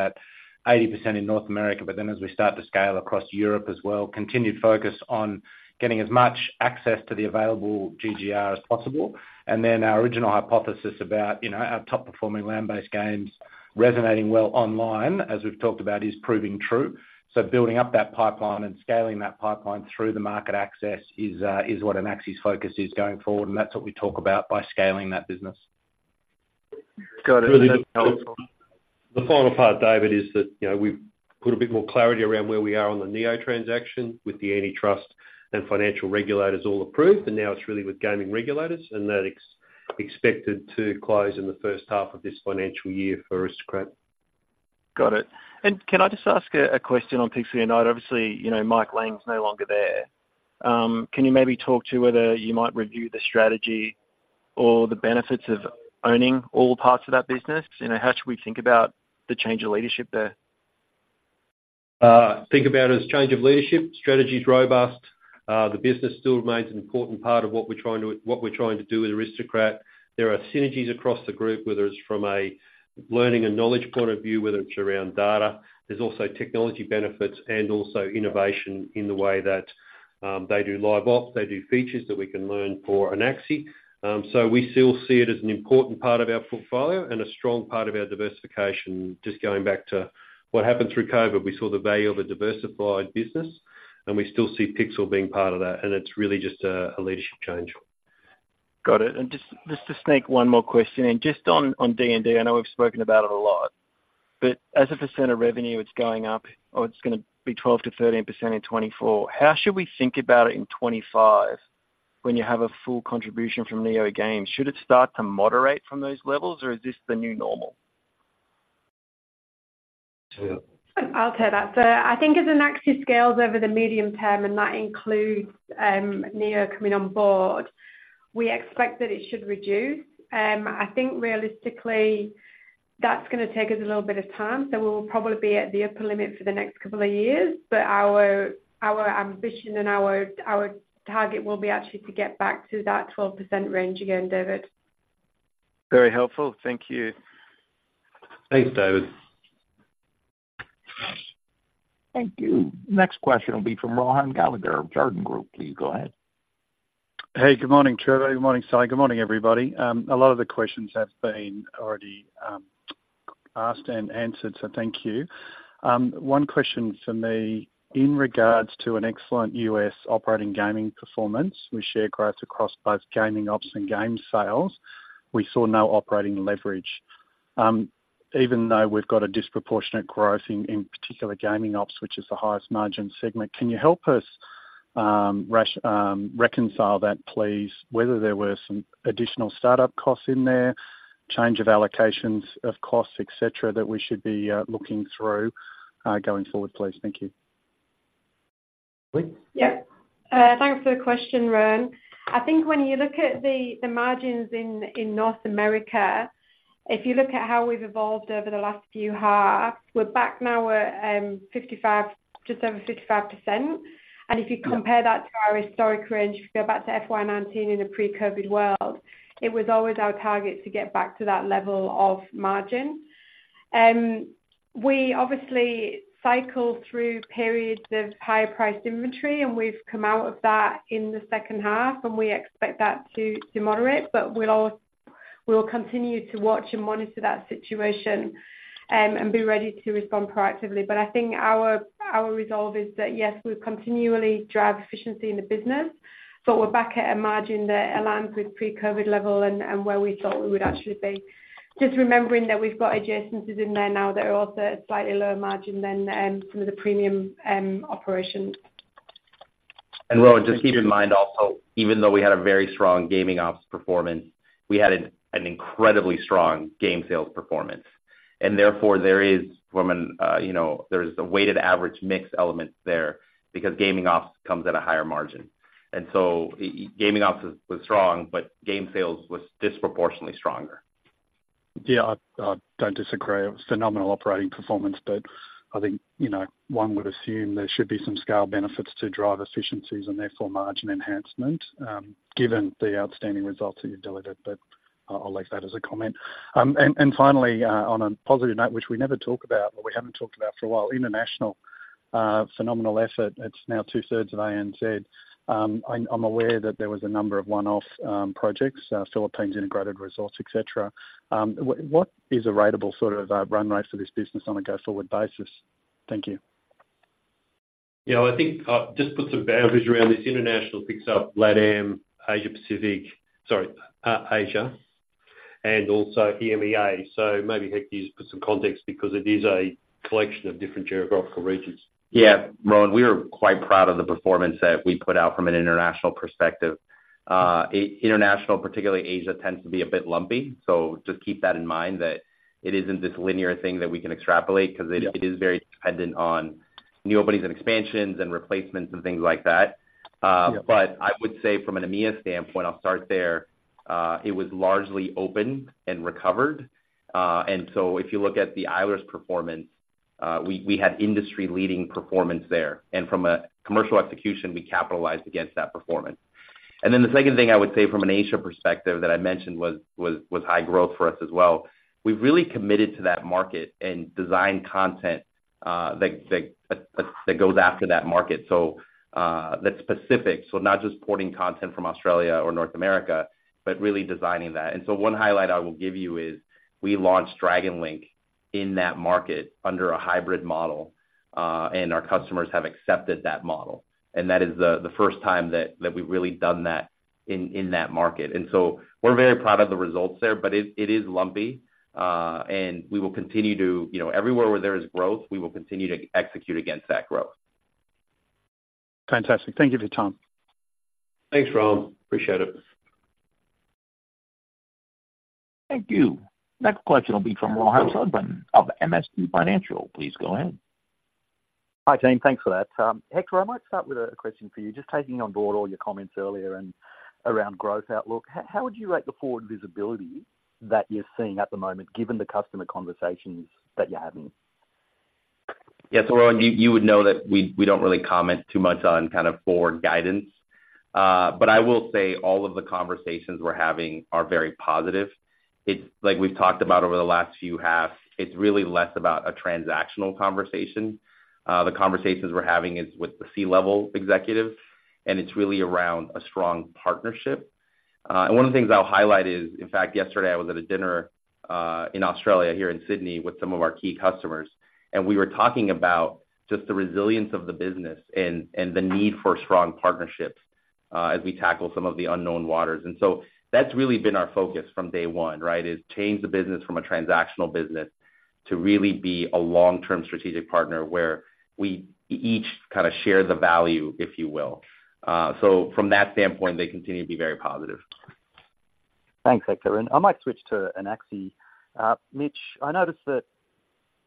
that 80% in North America. But then, as we start to scale across Europe as well, continued focus on getting as much access to the available GGR as possible. And then our original hypothesis about, you know, our top-performing land-based games resonating well online, as we've talked about, is proving true. So building up that pipeline and scaling that pipeline through the market access is, is what Anaxi's focus is going forward, and that's what we talk about by scaling that business. Got it. The final part, David, is that, you know, we've put a bit more clarity around where we are on the Neo transaction with the antitrust and financial regulators all approved, and now it's really with gaming regulators, and that expected to close in the first half of this financial year for Aristocrat. Got it. And can I just ask a question on Pixel United? Obviously, you know, Mike Lang's no longer there. Can you maybe talk to whether you might review the strategy or the benefits of owning all parts of that business? You know, how should we think about the change of leadership there? Think about it as change of leadership. Strategy's robust. The business still remains an important part of what we're trying to, what we're trying to do with Aristocrat. There are synergies across the group, whether it's from a learning and knowledge point of view, whether it's around data. There's also technology benefits and also innovation in the way that, they do live ops. They do features that we can learn for Anaxi. So we still see it as an important part of our portfolio and a strong part of our diversification. Just going back to what happened through COVID, we saw the value of a diversified business, and we still see Pixel being part of that, and it's really just a, a leadership change. Got it. And just to sneak one more question in. Just on D&D, I know we've spoken about it a lot, but as a % of revenue, it's going up, or it's gonna be 12%-13% in 2024. How should we think about it in 2025, when you have a full contribution from NeoGames? Should it start to moderate from those levels, or is this the new normal?... I'll take that. So I think as Anaxi scales over the medium term, and that includes, Neo coming on board, we expect that it should reduce. I think realistically, that's gonna take us a little bit of time, so we will probably be at the upper limit for the next couple of years. But our, our ambition and our, our target will be actually to get back to that 12% range again, David. Very helpful. Thank you. Thanks, David. Thank you. Next question will be from Rohan Gallagher of Jarden Group. Please go ahead. Hey, good morning, Trevor. Good morning, Sally. Good morning, everybody. A lot of the questions have been already asked and answered, so thank you. One question from me, in regards to an excellent U.S. operating gaming performance, we saw growth across both gaming ops and game sales. We saw no operating leverage, even though we've got a disproportionate growth in particular, gaming ops, which is the highest margin segment. Can you help us reconcile that, please? Whether there were some additional startup costs in there, change of allocations of costs, et cetera, that we should be looking through going forward, please. Thank you. Yep. Thanks for the question, Rohan. I think when you look at the margins in North America, if you look at how we've evolved over the last few halves, we're back now at just over 55%. And if you compare that to our historic range, if you go back to FY 2019 in a pre-COVID world, it was always our target to get back to that level of margin. We obviously cycle through periods of higher priced inventory, and we've come out of that in the second half, and we expect that to moderate, but we'll always, we'll continue to watch and monitor that situation, and be ready to respond proactively. But I think our resolve is that, yes, we'll continually drive efficiency in the business, but we're back at a margin that aligns with pre-COVID level and where we thought we would actually be. Just remembering that we've got adjacencies in there now that are also a slightly lower margin than some of the premium operations. And Rohan, just keep in mind also, even though we had a very strong gaming ops performance, we had an incredibly strong game sales performance, and therefore, there is from an, you know, there's a weighted average mix element there because gaming ops comes at a higher margin. And so gaming ops was strong, but game sales was disproportionately stronger. Yeah, I don't disagree. It was phenomenal operating performance, but I think, you know, one would assume there should be some scale benefits to drive efficiencies and therefore margin enhancement, given the outstanding results that you delivered. But I'll leave that as a comment. And finally, on a positive note, which we never talk about, or we haven't talked about for a while, international, phenomenal effort. It's now two-thirds of ANZ. I'm aware that there was a number of one-off projects, Philippines integrated resorts, etc. What is a ratable sort of run rate for this business on a go-forward basis? Thank you. Yeah, I think I'll just put some boundaries around this international picks up LATAM, Asia Pacific. Sorry, Asia and also EMEA. So maybe, Hector, you put some context because it is a collection of different geographical regions. Yeah, Rohan, we are quite proud of the performance that we put out from an international perspective. International, particularly Asia, tends to be a bit lumpy, so just keep that in mind that it isn't this linear thing that we can extrapolate- Yeah... 'cause it is very dependent on new openings and expansions and replacements and things like that. Yeah. But I would say from an EMEA standpoint, I'll start there, it was largely open and recovered. And so if you look at the Isles performance, we had industry-leading performance there, and from a commercial execution, we capitalized against that performance. And then the second thing I would say from an Asia perspective that I mentioned was high growth for us as well. We've really committed to that market and designed content that goes after that market. So, that's specific. So not just porting content from Australia or North America, but really designing that. And so one highlight I will give you is we launched Dragon Link in that market under a hybrid model, and our customers have accepted that model, and that is the first time that we've really done that in that market. And so we're very proud of the results there. But it is lumpy, and we will continue to, you know, everywhere where there is growth, we will continue to execute against that growth. Fantastic. Thank you for your time. Thanks, Rohan. Appreciate it. Thank you. Next question will be from Rohan Sundram of MST Financial. Please go ahead. Hi, team. Thanks for that. Hector, I might start with a question for you. Just taking on board all your comments earlier and around growth outlook, how would you rate the forward visibility that you're seeing at the moment, given the customer conversations that you're having? Yeah. So Rohan, you would know that we don't really comment too much on kind of forward guidance. But I will say all of the conversations we're having are very positive. It's like we've talked about over the last few halves, it's really less about a transactional conversation. The conversations we're having is with the C-level executive, and it's really around a strong partnership. And one of the things I'll highlight is, in fact, yesterday I was at a dinner, in Australia, here in Sydney, with some of our key customers, and we were talking about just the resilience of the business and the need for strong partnerships, as we tackle some of the unknown waters. And so that's really been our focus from day one, right? Is change the business from a transactional business to really be a long-term strategic partner, where we each kind of share the value, if you will. From that standpoint, they continue to be very positive. Thanks, Hector, and I might switch to Anaxi. Mitch, I noticed that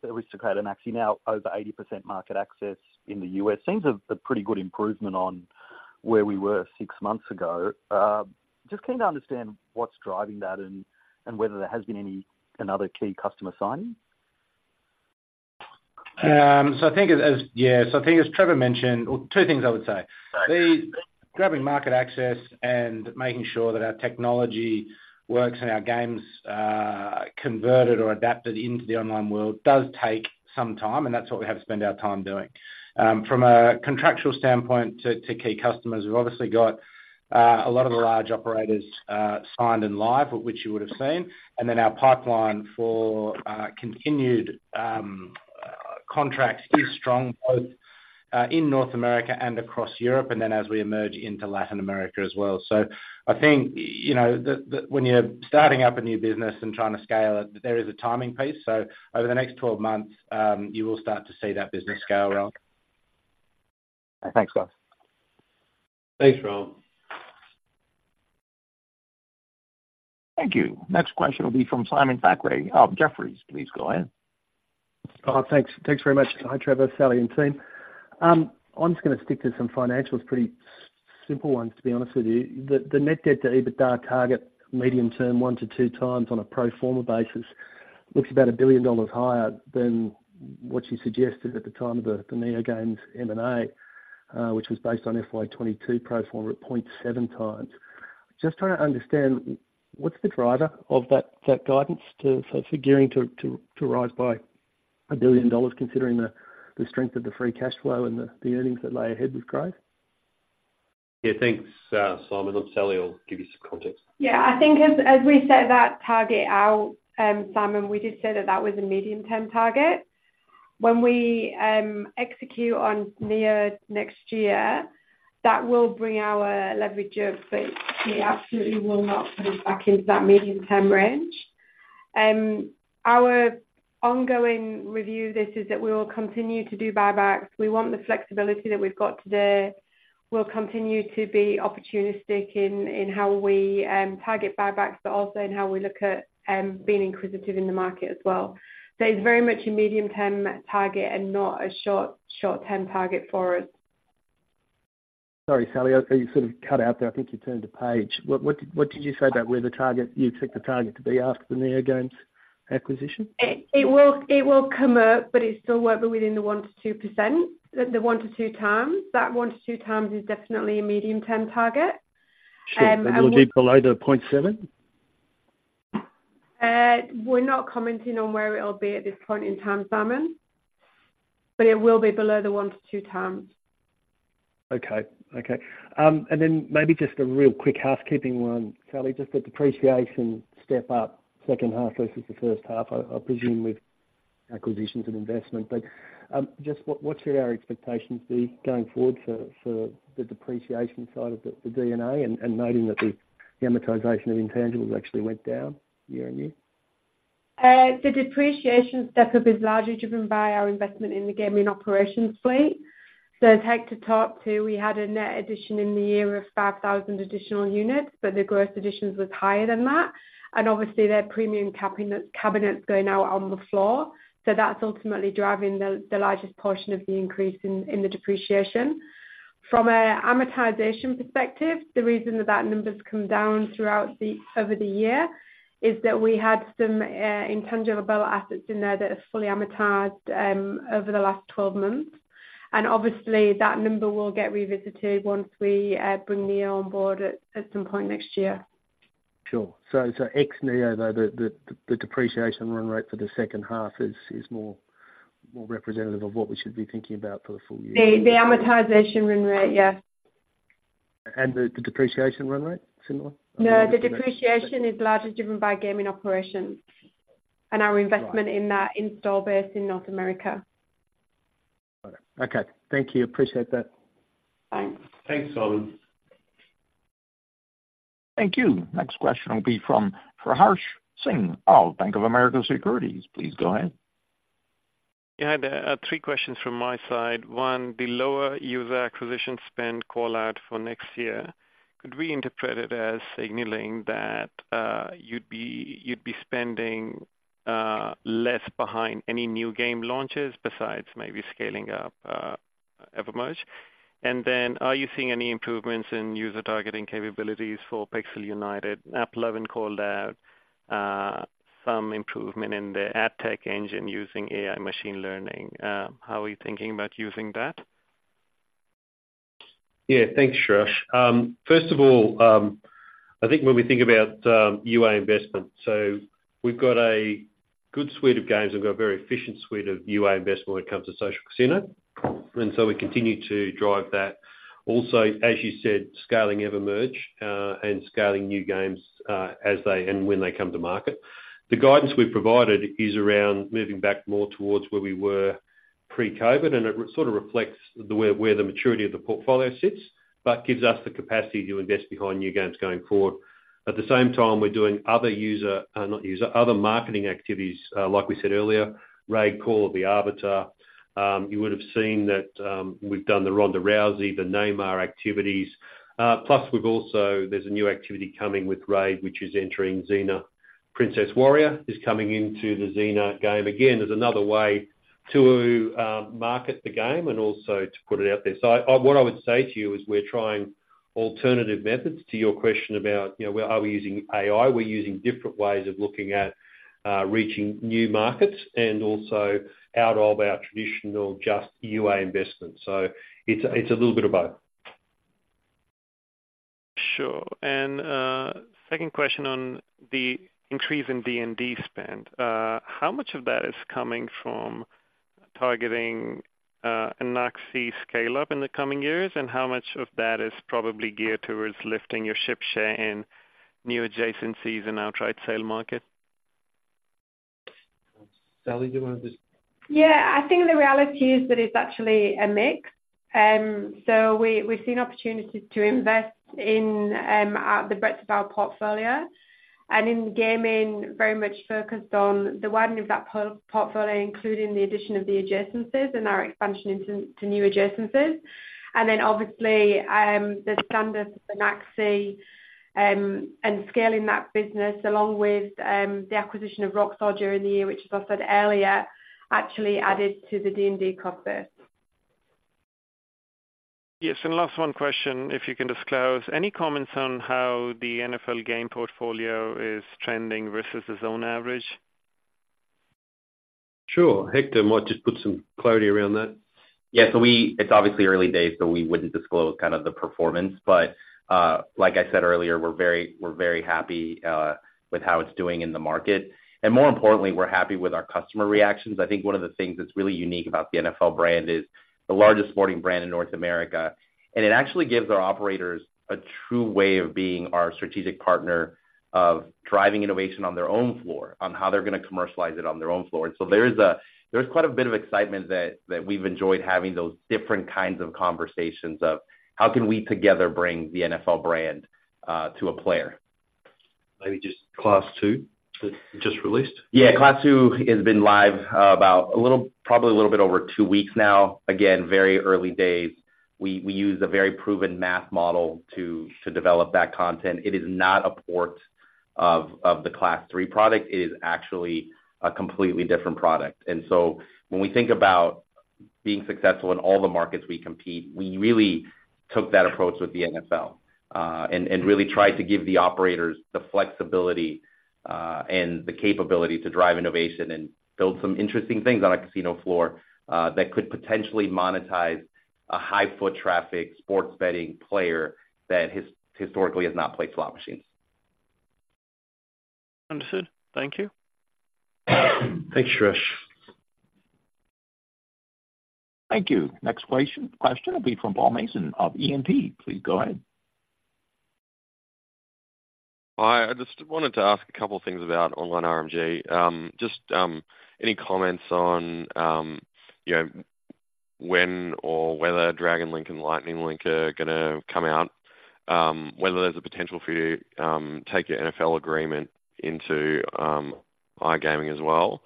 Aristocrat and Anaxi, now over 80% market access in the U.S., seems a pretty good improvement on where we were six months ago. Just keen to understand what's driving that and whether there has been any another key customer signing. So I think as Trevor mentioned, or two things I would say: The grabbing market access and making sure that our technology works and our games, converted or adapted into the online world, does take some time, and that's what we have spent our time doing. From a contractual standpoint to key customers, we've obviously got- ... a lot of the large operators, signed and live, which you would have seen, and then our pipeline for continued contracts is strong, both in North America and across Europe, and then as we emerge into Latin America as well. So I think, you know, when you're starting up a new business and trying to scale it, there is a timing piece. So over the next 12 months, you will start to see that business scale, Rob. Thanks, guys. Thanks, Rob. Thank you. Next question will be from Simon Thackray of Jefferies. Please go ahead. Oh, thanks. Thanks very much. Hi, Trevor, Sally, and team. I'm just gonna stick to some financials, pretty simple ones, to be honest with you. The net debt to EBITDA target, medium term, 1-2 times on a pro forma basis, looks about $1 billion higher than what you suggested at the time of the NeoGames M&A, which was based on FY 2022 pro forma at 0.7 times. Just trying to understand, what's the driver of that guidance so figuring to rise by $1 billion, considering the strength of the free cash flow and the earnings that lie ahead with growth? Yeah, thanks, Simon. I'll tell you or give you some context. Yeah, I think as we set that target out, Simon, we did say that that was a medium-term target. When we execute on Neo next year, that will bring our leverage up, but it absolutely will not put us back into that medium-term range. Our ongoing review is that we will continue to do buybacks. We want the flexibility that we've got today. We'll continue to be opportunistic in how we target buybacks, but also in how we look at being inquisitive in the market as well. So it's very much a medium-term target and not a short, short-term target for us. Sorry, Sally, you sort of cut out there. I think you turned a page. What did you say about where the target, you expect the target to be after the NeoGames acquisition? It will come up, but it still won't be within the 1%-2%, the 1-2x. That 1-2x is definitely a medium-term target. And we- Sure, but it will be below the 0.7? We're not commenting on where it'll be at this point in time, Simon, but it will be below the 1x-2x. Okay, okay. And then maybe just a real quick housekeeping one, Sally, just the depreciation step up second half versus the first half, I presume with acquisitions and investment. But just what should our expectations be going forward for the depreciation side of the D&A, and noting that the amortization of intangibles actually went down year-on-year? The depreciation step-up is largely driven by our investment in the gaming operations fleet. So take to top two, we had a net addition in the year of 5,000 additional units, but the gross additions was higher than that, and obviously their premium cabinet, cabinets going out on the floor. So that's ultimately driving the, the largest portion of the increase in, in the depreciation. From a amortization perspective, the reason that that number's come down throughout the, over the year is that we had some, intangible assets in there that have fully amortized, over the last 12 months. And obviously, that number will get revisited once we, bring Neo on board at, at some point next year. Sure. So ex-Neo, though, the depreciation run rate for the second half is more representative of what we should be thinking about for the full year? The amortization run rate, yes. The depreciation run rate, similar? No, the depreciation is largely driven by gaming operations- Right. and our investment in that install base in North America. Okay. Thank you. Appreciate that. Thanks. Thanks, Simon. Thank you. Next question will be from Hira Singh of Bank of America Securities. Please go ahead. Yeah, there are three questions from my side. One, the lower user acquisition spend call out for next year, could we interpret it as signaling that, you'd be, you'd be spending, less behind any new game launches besides maybe scaling up, EverMerge? And then, are you seeing any improvements in user targeting capabilities for Pixel United? AppLovin called out, some improvement in their ad tech engine using AI machine learning. How are you thinking about using that? Yeah. Thanks, Hirash. First of all, I think when we think about UA investment, so we've got a good suite of games and got a very efficient suite of UA investment when it comes to social casino, and so we continue to drive that. Also, as you said, scaling EverMerge, and scaling new games, as they and when they come to market. The guidance we provided is around moving back more towards where we were pre-COVID, and it sort of reflects the where, where the maturity of the portfolio sits, but gives us the capacity to invest behind new games going forward. At the same time, we're doing other user, not user, other marketing activities, like we said earlier, RAID: Call of the Arbiter. You would have seen that, we've done the Ronda Rousey, the Neymar activities, plus we've also—there's a new activity coming with Raid, which is entering Xena: Warrior Princess is coming into the Xena game. Again, there's another way to market the game and also to put it out there. So I, what I would say to you is we're trying alternative methods to your question about, you know, where are we using AI? We're using different ways of looking at reaching new markets and also out of our traditional just UA investment. So it's, it's a little bit of both. Sure. And second question on the increase in D&D spend, how much of that is coming from targeting an Anaxi scale up in the coming years? And how much of that is probably geared towards lifting your market share in new adjacencies and outright sale market? Sally, do you wanna just- Yeah, I think the reality is that it's actually a mix. So we, we've seen opportunities to invest in the breadth of our portfolio. And in gaming, very much focused on the widening of that portfolio, including the addition of the adjacencies and our expansion into to new adjacencies. And then obviously, the standard, the Anaxi, and scaling that business, along with the acquisition of Roxor in the year, which, as I said earlier, actually added to the D&D progress. Yes, and last one question, if you can disclose. Any comments on how the NFL game portfolio is trending versus the zone average? Sure. Hector might just put some clarity around that. Yeah, so it's obviously early days, so we wouldn't disclose kind of the performance, but, like I said earlier, we're very, we're very happy with how it's doing in the market. And more importantly, we're happy with our customer reactions. I think one of the things that's really unique about the NFL brand is, the largest sporting brand in North America, and it actually gives our operators a true way of being our strategic partner, of driving innovation on their own floor, on how they're gonna commercialize it on their own floor. And so there is quite a bit of excitement that we've enjoyed having those different kinds of conversations of: How can we together bring the NFL brand to a player? Maybe just Class II, that just released. Yeah, Class II has been live about a little, probably a little bit over two weeks now. Again, very early days. We used a very proven math model to develop that content. It is not a port of the Class III product. It is actually a completely different product. And so when we think about being successful in all the markets we compete, we really took that approach with the NFL and really tried to give the operators the flexibility and the capability to drive innovation and build some interesting things on a casino floor that could potentially monetize a high foot traffic, sports betting player that historically has not played slot machines. Understood. Thank you. Thanks, Trish. Thank you. Next question will be from Paul Mason of E&P. Please go ahead. Hi, I just wanted to ask a couple things about online RMG. Just any comments on, you know, when or whether Dragon Link and Lightning Link are gonna come out? Whether there's a potential for you take your NFL agreement into iGaming as well?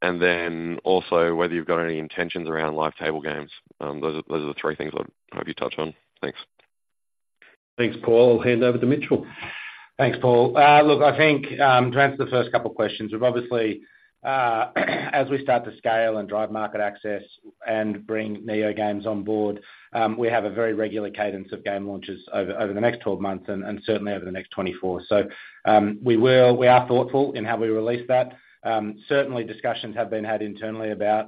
And then also, whether you've got any intentions around live table games. Those are the three things I'd hope you touch on. Thanks. Thanks, Paul. I'll hand over to Mitchell. Thanks, Paul. Look, I think, to answer the first couple questions, we've obviously, as we start to scale and drive market access and bring NeoGames on board, we have a very regular cadence of game launches over the next 12 months and certainly over the next 24. We are thoughtful in how we release that. Certainly discussions have been had internally about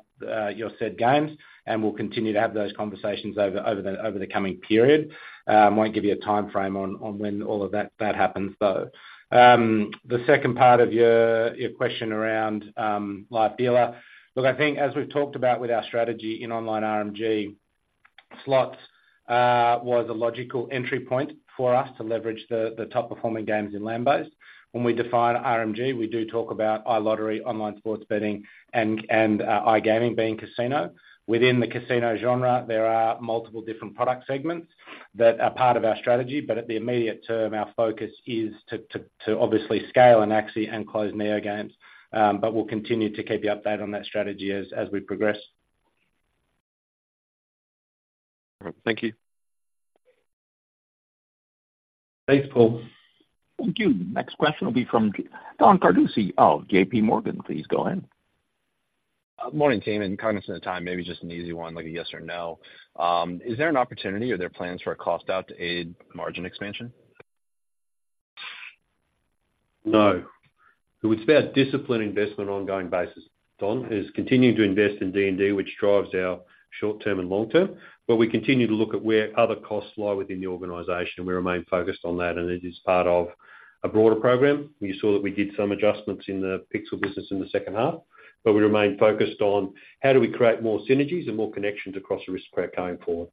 your said games, and we'll continue to have those conversations over the coming period. I won't give you a timeframe on when all of that happens, though. The second part of your question around live dealer. Look, I think as we've talked about with our strategy in online RMG, slots was a logical entry point for us to leverage the top performing games in land-based. When we define RMG, we do talk about iLottery, online sports betting, and iGaming being casino. Within the casino genre, there are multiple different product segments that are part of our strategy, but at the immediate term, our focus is to obviously scale and acquire and close NeoGames. But we'll continue to keep you updated on that strategy as we progress. All right. Thank you. Thanks, Paul. Thank you. Next question will be from Don Carducci of JP Morgan. Please go ahead. Morning, team, and cognizant of time, maybe just an easy one, like a yes or no. Is there an opportunity or are there plans for a cost out to aid margin expansion? No. It's about disciplined investment, ongoing basis. Don, is continuing to invest in D&D, which drives our short term and long term, but we continue to look at where other costs lie within the organization, and we remain focused on that, and it is part of a broader program. We saw that we did some adjustments in the Pixel business in the second half, but we remain focused on how do we create more synergies and more connections across Aristocrat going forward.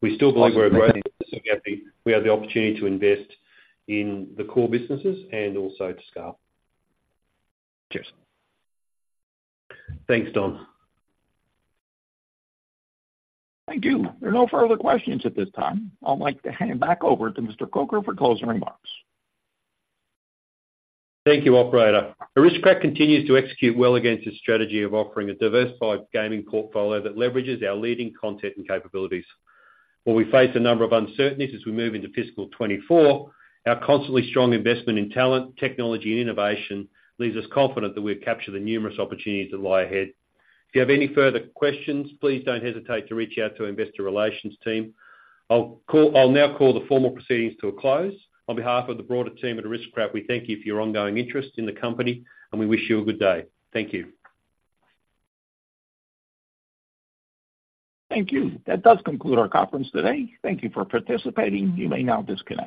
We still believe we're a growing- we have the opportunity to invest in the core businesses and also to scale. Cheers. Thanks, Don. Thank you. There are no further questions at this time. I'd like to hand it back over to Mr. Croker for closing remarks. Thank you, operator. Aristocrat continues to execute well against its strategy of offering a diversified gaming portfolio that leverages our leading content and capabilities. While we face a number of uncertainties as we move into fiscal 2024, our constantly strong investment in talent, technology and innovation leaves us confident that we've captured the numerous opportunities that lie ahead. If you have any further questions, please don't hesitate to reach out to our investor relations team. I'll now call the formal proceedings to a close. On behalf of the broader team at Aristocrat, we thank you for your ongoing interest in the company, and we wish you a good day. Thank you. Thank you. That does conclude our conference today. Thank you for participating. You may now disconnect.